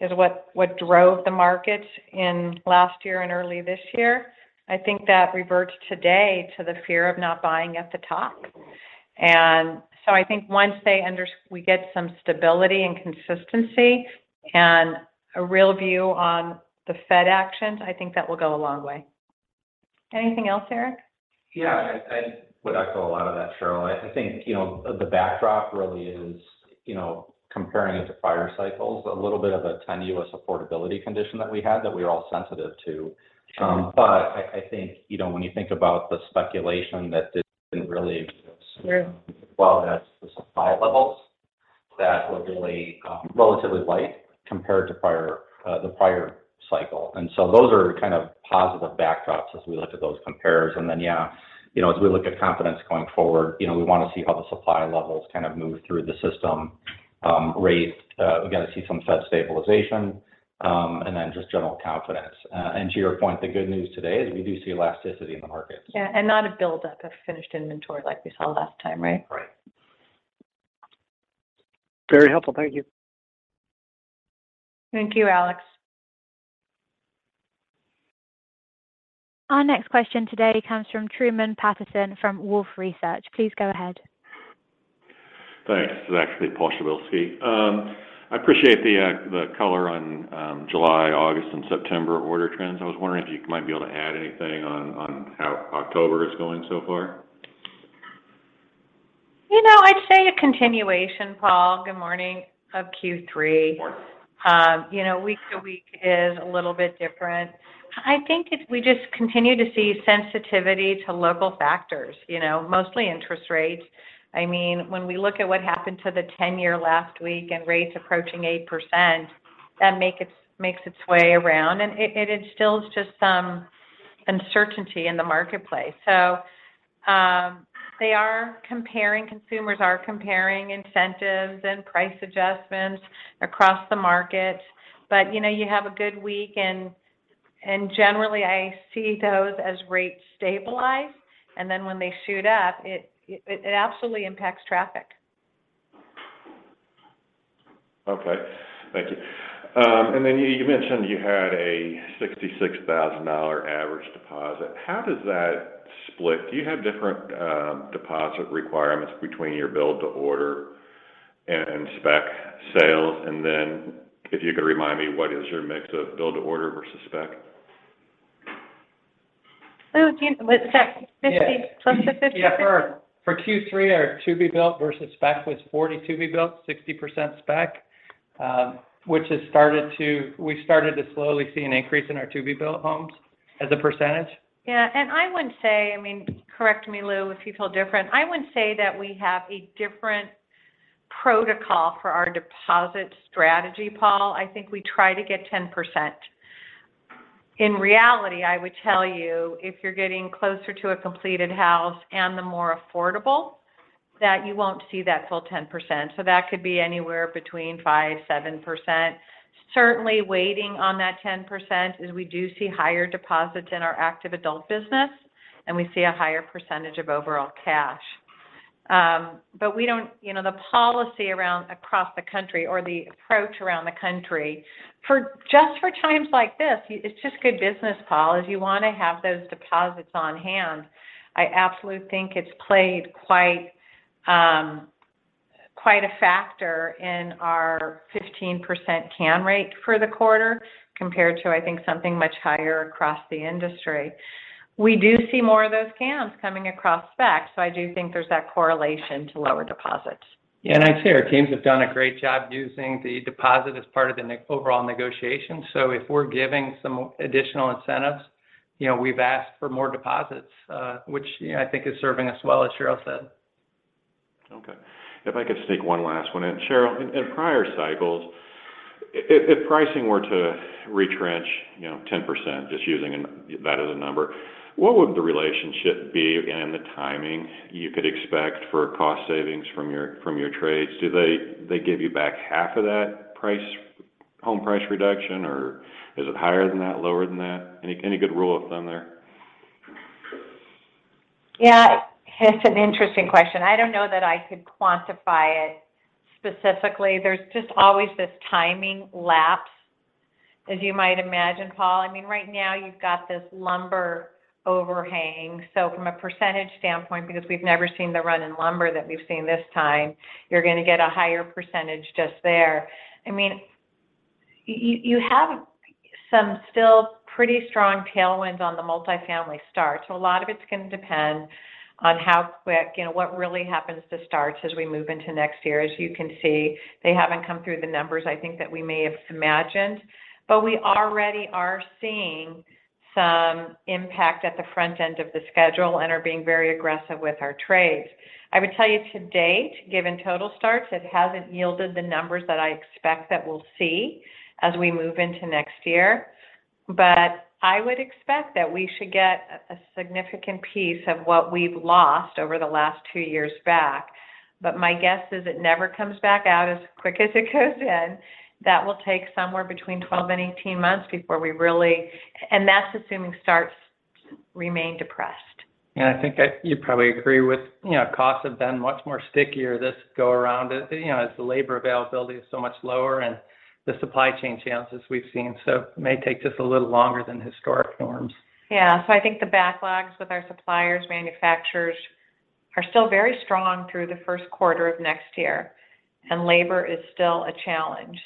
is what drove the market in last year and early this year. I think that reverts today to the fear of not buying at the top. I think once we get some stability and consistency and a real view on the Fed actions, I think that will go a long way. Anything else, Erik? Yeah. I would echo a lot of that, Sheryl. I think, you know, the backdrop really is, you know, comparing it to prior cycles, a little bit of a tenuous affordability condition that we had that we are all sensitive to. But I think, you know, when you think about the speculation that didn't really exist. True As well as the supply levels that were really, relatively light compared to the prior cycle. Those are kind of positive backdrops as we look at those compares. Yeah, you know, as we look at confidence going forward, you know, we wanna see how the supply levels kind of move through the system, rates, we gotta see some Fed stabilization, and then just general confidence. To your point, the good news today is we do see elasticity in the markets. Yeah. Not a buildup of finished inventory like we saw last time, right? Right. Very helpful. Thank you. Thank you, Alex. Our next question today comes from Truman Patterson from Wolfe Research. Please go ahead. Thanks. This is actually Paul Przybylski. I appreciate the color on July, August and September order trends. I was wondering if you might be able to add anything on how October is going so far. You know, I'd say a continuation, Paul, good morning, of Q3. Morning. You know, week to week is a little bit different. I think it's we just continue to see sensitivity to local factors. You know, mostly interest rates. I mean, when we look at what happened to the 10-year last week and rates approaching 8%, that makes its way around, and it instills just some uncertainty in the marketplace. Consumers are comparing incentives and price adjustments across the market. You know, you have a good week and generally I see those as rates stabilize, and then when they shoot up, it absolutely impacts traffic. Okay. Thank you. You mentioned you had a $66,000 average deposit. How does that split? Do you have different deposit requirements between your build to order and spec sales? If you could remind me what is your mix of build to order versus spec? Louis, what's spec? close to 50? Yeah. For Q3 our to-be-built versus spec was 40% to-be-built, 60% spec. We started to slowly see an increase in our to-be-built homes as a percentage. Yeah. I would say, I mean, correct me, Louis, if you feel different. I would say that we have a different protocol for our deposit strategy, Paul. I think we try to get 10%. In reality, I would tell you, if you're getting closer to a completed house and the more affordable, that you won't see that full 10%. That could be anywhere between 5%-7%. Certainly waiting on that 10% is we do see higher deposits in our active adult business, and we see a higher percentage of overall cash. You know, the policy around across the country or the approach around the country for just times like this, it's just good business, Paul, is you wanna have those deposits on hand. I absolutely think it's played quite a factor in our 15% cancel rate for the quarter compared to, I think, something much higher across the industry. We do see more of those cancellations coming across spec, so I do think there's that correlation to lower deposits. Yeah. I'd say our teams have done a great job using the deposit as part of the overall negotiation. If we're giving some additional incentives, you know, we've asked for more deposits, which, you know, I think is serving us well, as Sheryl said. Okay. If I could sneak one last one in. Sheryl, in prior cycles, if pricing were to retrench, you know, 10%, just using that as a number, what would the relationship be and the timing you could expect for cost savings from your trades? Do they give you back half of that price, home price reduction? Or is it higher than that? Lower than that? Any good rule of thumb there? Yeah. It's an interesting question. I don't know that I could quantify it specifically. There's just always this timing lapse, as you might imagine, Paul. I mean, right now you've got this lumber overhang, so from a percentage standpoint, because we've never seen the run in lumber that we've seen this time, you're gonna get a higher percentage just there. I mean, you have some still pretty strong tailwinds on the multifamily starts. So a lot of it's going to depend on how quick, you know, what really happens to starts as we move into next year. As you can see, they haven't come through the numbers I think that we may have imagined, but we already are seeing some impact at the front end of the schedule and are being very aggressive with our trades. I would tell you to date, given total starts, it hasn't yielded the numbers that I expect that we'll see as we move into next year. I would expect that we should get a significant piece of what we've lost over the last two years back. My guess is it never comes back out as quick as it goes in. That will take somewhere between 12 and 18 months. That's assuming starts remain depressed. Yeah, I think you probably agree with, you know, costs have been much more stickier this go around as, you know, as the labor availability is so much lower and the supply chain challenges we've seen. It may take just a little longer than historic norms. Yeah. I think the backlogs with our suppliers, manufacturers are still very strong through the first quarter of next year, and labor is still a challenge.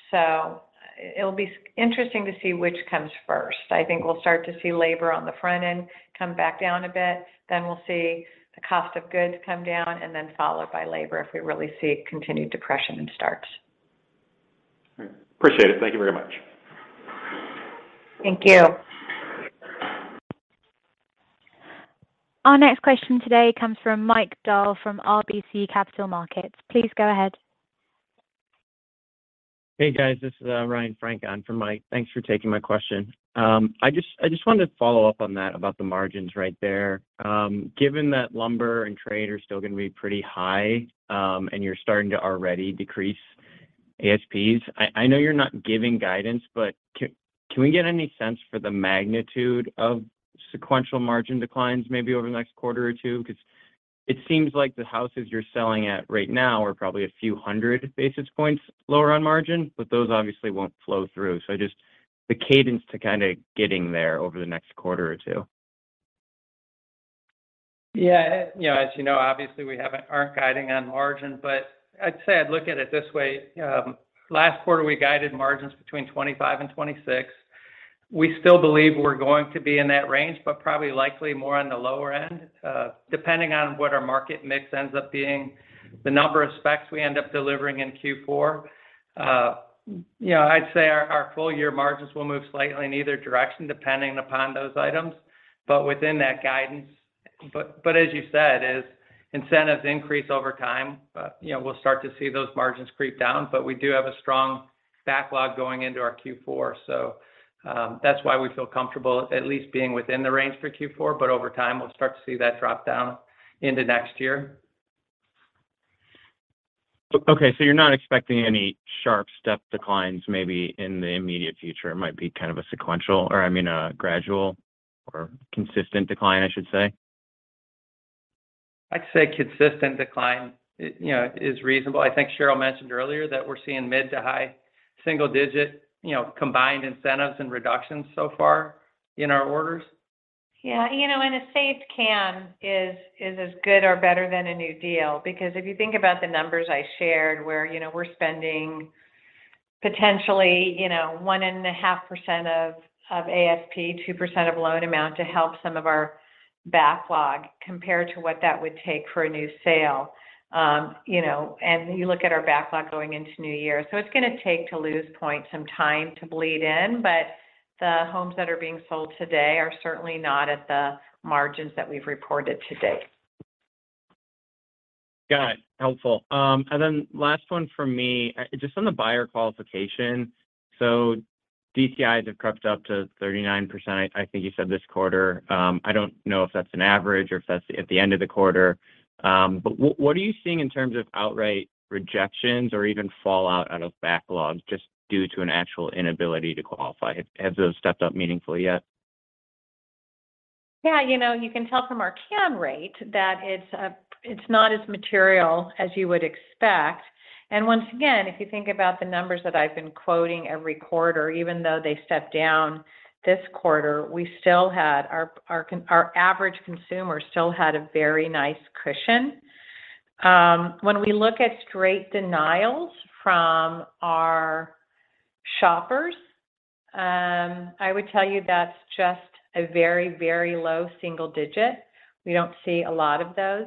It'll be interesting to see which comes first. I think we'll start to see labor on the front end come back down a bit, then we'll see the cost of goods come down and then followed by labor if we really see continued depression in starts. Appreciate it. Thank you very much. Thank you. Our next question today comes from Mike Dahl from RBC Capital Markets. Please go ahead. Hey, guys. This is Ryan Frank on for Mike. Thanks for taking my question. I just wanted to follow up on that about the margins right there. Given that lumber and trade are still going to be pretty high, and you're starting to already decrease ASPs, I know you're not giving guidance, but can we get any sense for the magnitude of sequential margin declines maybe over the next quarter or two? Because it seems like the houses you're selling at right now are probably a few hundred basis points lower on margin, but those obviously won't flow through. Just the cadence to kind of getting there over the next quarter or two. Yeah. You know, as you know, obviously we aren't guiding on margin, but I'd say I'd look at it this way. Last quarter, we guided margins between 25% and 26%. We still believe we're going to be in that range, but probably likely more on the lower end, depending on what our market mix ends up being. The number of specs we end up delivering in Q4, you know, I'd say our full year margins will move slightly in either direction depending upon those items, but within that guidance. But as you said, as incentives increase over time, you know, we'll start to see those margins creep down. We do have a strong backlog going into our Q4, so that's why we feel comfortable at least being within the range for Q4. Over time, we'll start to see that drop down into next year. Okay. You're not expecting any sharp step declines maybe in the immediate future. It might be kind of a sequential or, I mean, a gradual or consistent decline, I should say. I'd say consistent decline, you know, is reasonable. I think Sheryl mentioned earlier that we're seeing mid- to high-single-digit, you know, combined incentives and reductions so far in our orders. Yeah. You know, and a saved CAM is as good or better than a new deal. Because if you think about the numbers I shared, where, you know, we're spending potentially, you know, 1.5% of ASP, 2% of loan amount to help some of our backlog compared to what that would take for a new sale, you know. You look at our backlog going into new year. It's going to take, to Louis's point, some time to bleed in, but the homes that are being sold today are certainly not at the margins that we've reported to date. Got it. Helpful. Last one from me. Just on the buyer qualification. DTIs have crept up to 39%, I think you said, this quarter. I don't know if that's an average or if that's at the end of the quarter. What are you seeing in terms of outright rejections or even fallout out of backlogs just due to an actual inability to qualify? Has those stepped up meaningfully yet? Yeah. You know, you can tell from our CAM rate that it's not as material as you would expect. Once again, if you think about the numbers that I've been quoting every quarter, even though they stepped down this quarter, we still had our average consumer still had a very nice cushion. When we look at straight denials from our shoppers, I would tell you that's just a very, very low single digit. We don't see a lot of those.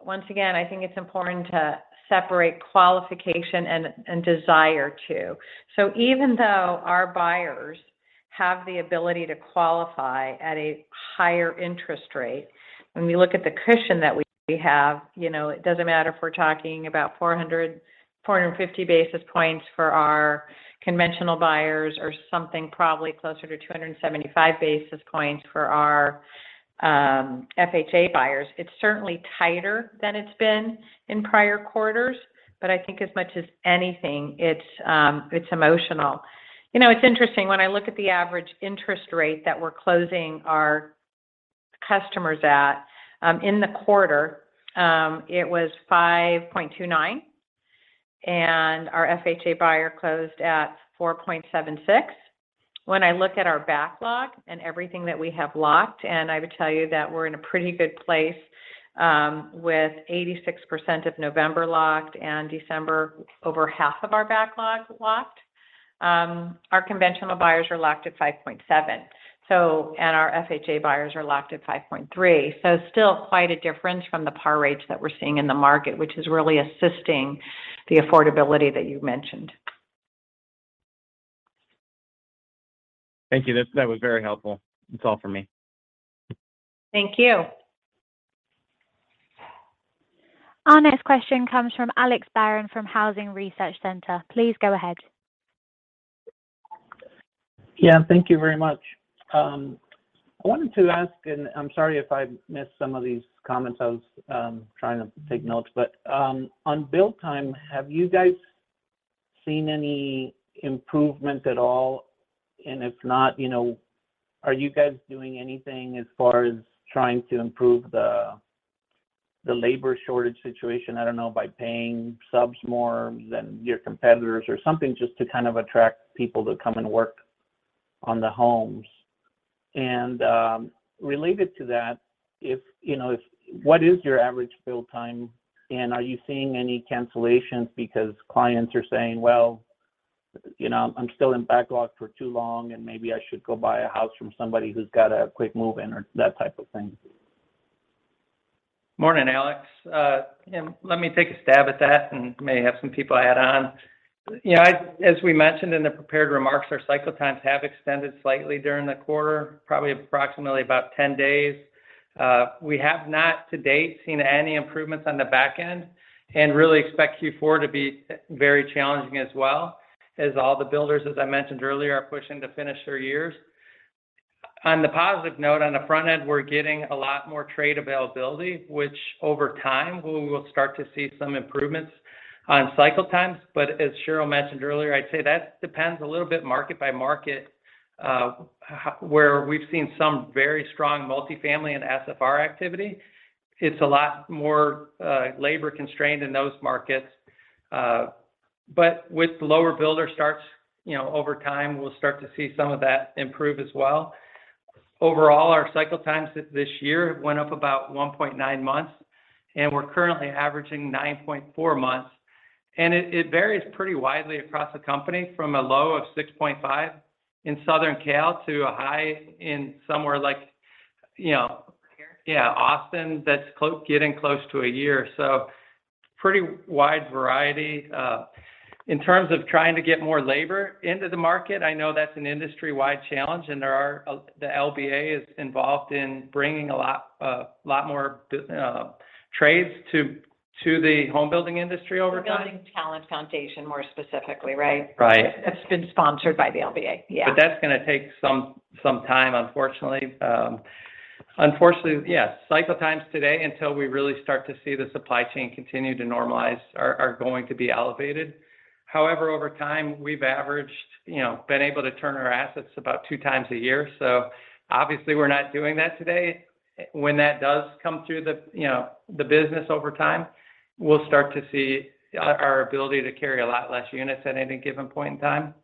Once again, I think it's important to separate qualification and desire too. Even though our buyers have the ability to qualify at a higher interest rate, when we look at the cushion that we have, you know, it doesn't matter if we're talking about 400, 450 basis points for our conventional buyers or something probably closer to 275 basis points for our FHA buyers. It's certainly tighter than it's been in prior quarters, but I think as much as anything, it's emotional. You know, it's interesting, when I look at the average interest rate that we're closing our customers at, in the quarter, it was 5.29, and our FHA buyer closed at 4.76. When I look at our backlog and everything that we have locked, and I would tell you that we're in a pretty good place, with 86% of November locked and December over half of our backlog locked. Our conventional buyers are locked at 5.7, so and our FHA buyers are locked at 5.3. Still quite a difference from the par rates that we're seeing in the market, which is really assisting the affordability that you mentioned. Thank you. That was very helpful. That's all for me. Thank you. Our next question comes from Alex Barron from Housing Research Center. Please go ahead. Yeah, thank you very much. I wanted to ask, and I'm sorry if I missed some of these comments. I was trying to take notes. On build time, have you guys seen any improvement at all? If not, you know, are you guys doing anything as far as trying to improve the labor shortage situation, I don't know, by paying subs more than your competitors or something, just to kind of attract people to come and work on the homes. Related to that, you know, what is your average build time, and are you seeing any cancellations because clients are saying, "Well, you know, I'm still in backlog for too long, and maybe I should go buy a house from somebody who's got a quick move-in," or that type of thing? Morning, Alex. Let me take a stab at that and maybe have some people add on. You know, as we mentioned in the prepared remarks, our cycle times have extended slightly during the quarter, probably approximately about 10 days. We have not to date seen any improvements on the back end and really expect Q4 to be very challenging as well as all the builders, as I mentioned earlier, are pushing to finish their years. On the positive note, on the front end, we're getting a lot more trade availability, which over time, we will start to see some improvements on cycle times. But as Sheryl mentioned earlier, I'd say that depends a little bit market by market, where we've seen some very strong multi-family and SFR activity. It's a lot more, labor-constrained in those markets. With lower builder starts, you know, over time, we'll start to see some of that improve as well. Overall, our cycle times this year went up about 1.9 months, and we're currently averaging 9.4 months. It varies pretty widely across the company from a low of 6.5 in Southern Cal to a high in somewhere like, you know- Austin. Yeah, Austin. That's getting close to a year. Pretty wide variety. In terms of trying to get more labor into the market, I know that's an industry-wide challenge, and there are. The LBA is involved in bringing a lot more trades to the home building industry over time. The Building Talent Foundation, more specifically, right? Right. It's been sponsored by the LBA. Yeah. That's gonna take some time, unfortunately. Unfortunately, yes, cycle times today, until we really start to see the supply chain continue to normalize, are going to be elevated. However, over time, we've averaged, you know, been able to turn our assets about 2x a year. Obviously, we're not doing that today. When that does come through the, you know, the business over time, we'll start to see our ability to carry a lot less units at any given point in time.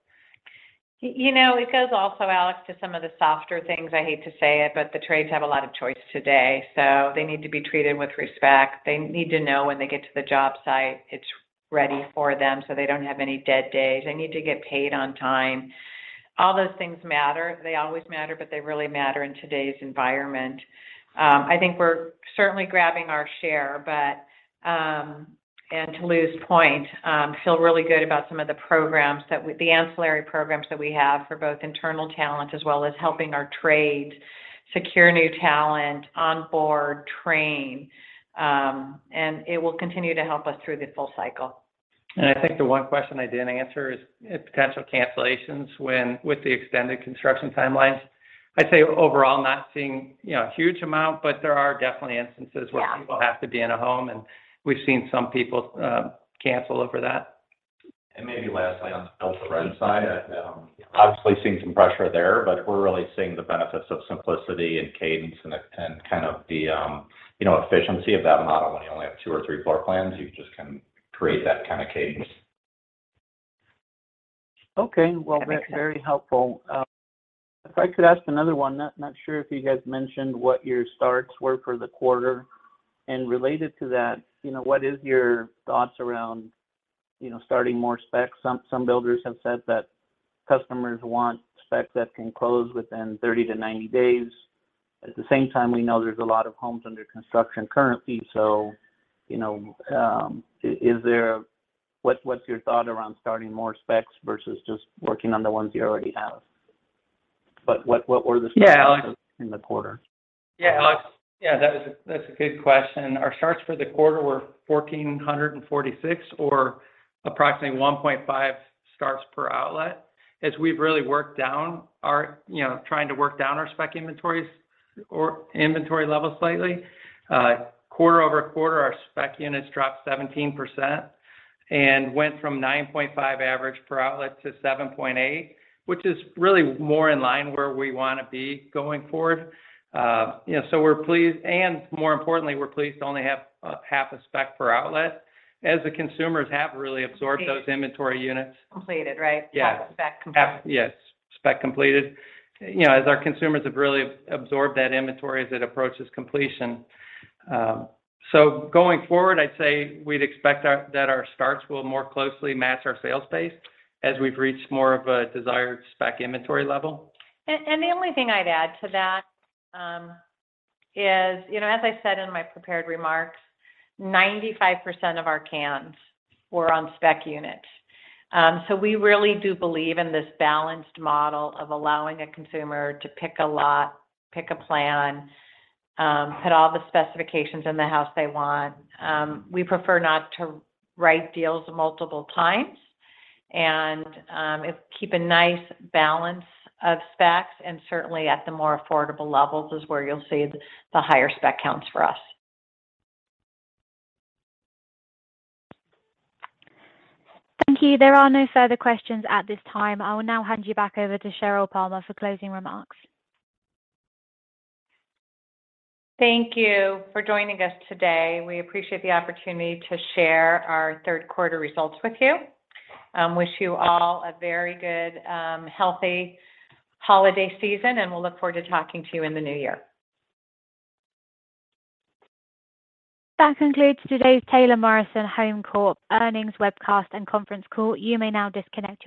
You know, it goes also, Alex, to some of the softer things. I hate to say it, but the trades have a lot of choice today, so they need to be treated with respect. They need to know when they get to the job site, it's ready for them, so they don't have any dead days. They need to get paid on time. All those things matter. They always matter, but they really matter in today's environment. I think we're certainly grabbing our share, but, and to Louis point, feel really good about some of the programs that the ancillary programs that we have for both internal talent as well as helping our trade secure new talent on board train, and it will continue to help us through the full cycle. I think the one question I didn't answer is potential cancellations with the extended construction timelines. I'd say overall not seeing, you know, huge amount, but there are definitely instances where people have to be in a home, and we've seen some people cancel over that. Maybe lastly, on the build-to-rent side, obviously seeing some pressure there, but we're really seeing the benefits of simplicity and cadence and kind of the, you know, efficiency of that model when you only have two or three floor plans. You just can create that kind of cadence. Okay. Well, that's very helpful. If I could ask another one, not sure if you guys mentioned what your starts were for the quarter. Related to that, you know, what is your thoughts around, you know, starting more specs? Some builders have said that customers want specs that can close within 30-90 days. At the same time, we know there's a lot of homes under construction currently. You know, what's your thought around starting more specs versus just working on the ones you already have? What were the specs in the quarter? Yeah, Alex. Yeah, that's a good question. Our starts for the quarter were 1,446 or approximately 1.5 starts per outlet. As we've really worked down our, you know, spec inventories or inventory levels slightly, quarter-over-quarter, our spec units dropped 17% and went from 9.5 average per outlet to 7.8, which is really more in line where we wanna be going forward. You know, so we're pleased. More importantly, we're pleased to only have half a spec per outlet as the consumers have really absorbed those inventory units. Completed, right? Yeah. Spec completed. Yes, spec completed. You know, as our consumers have really absorbed that inventory as it approaches completion. Going forward, I'd say we'd expect that our starts will more closely match our sales pace as we've reached more of a desired spec inventory level. The only thing I'd add to that is, you know, as I said in my prepared remarks, 95% of our cans were on spec units. So we really do believe in this balanced model of allowing a consumer to pick a lot, pick a plan, put all the specifications in the house they want. We prefer not to write deals multiple times and to keep a nice balance of specs, and certainly at the more affordable levels is where you'll see the higher spec counts for us. Thank you. There are no further questions at this time. I will now hand you back over to Sheryl Palmer for closing remarks. Thank you for joining us today. We appreciate the opportunity to share our third quarter results with you. Wish you all a very good, healthy holiday season, and we'll look forward to talking to you in the new year. That concludes today's Taylor Morrison Home Corporation earnings webcast and conference call. You may now disconnect your lines.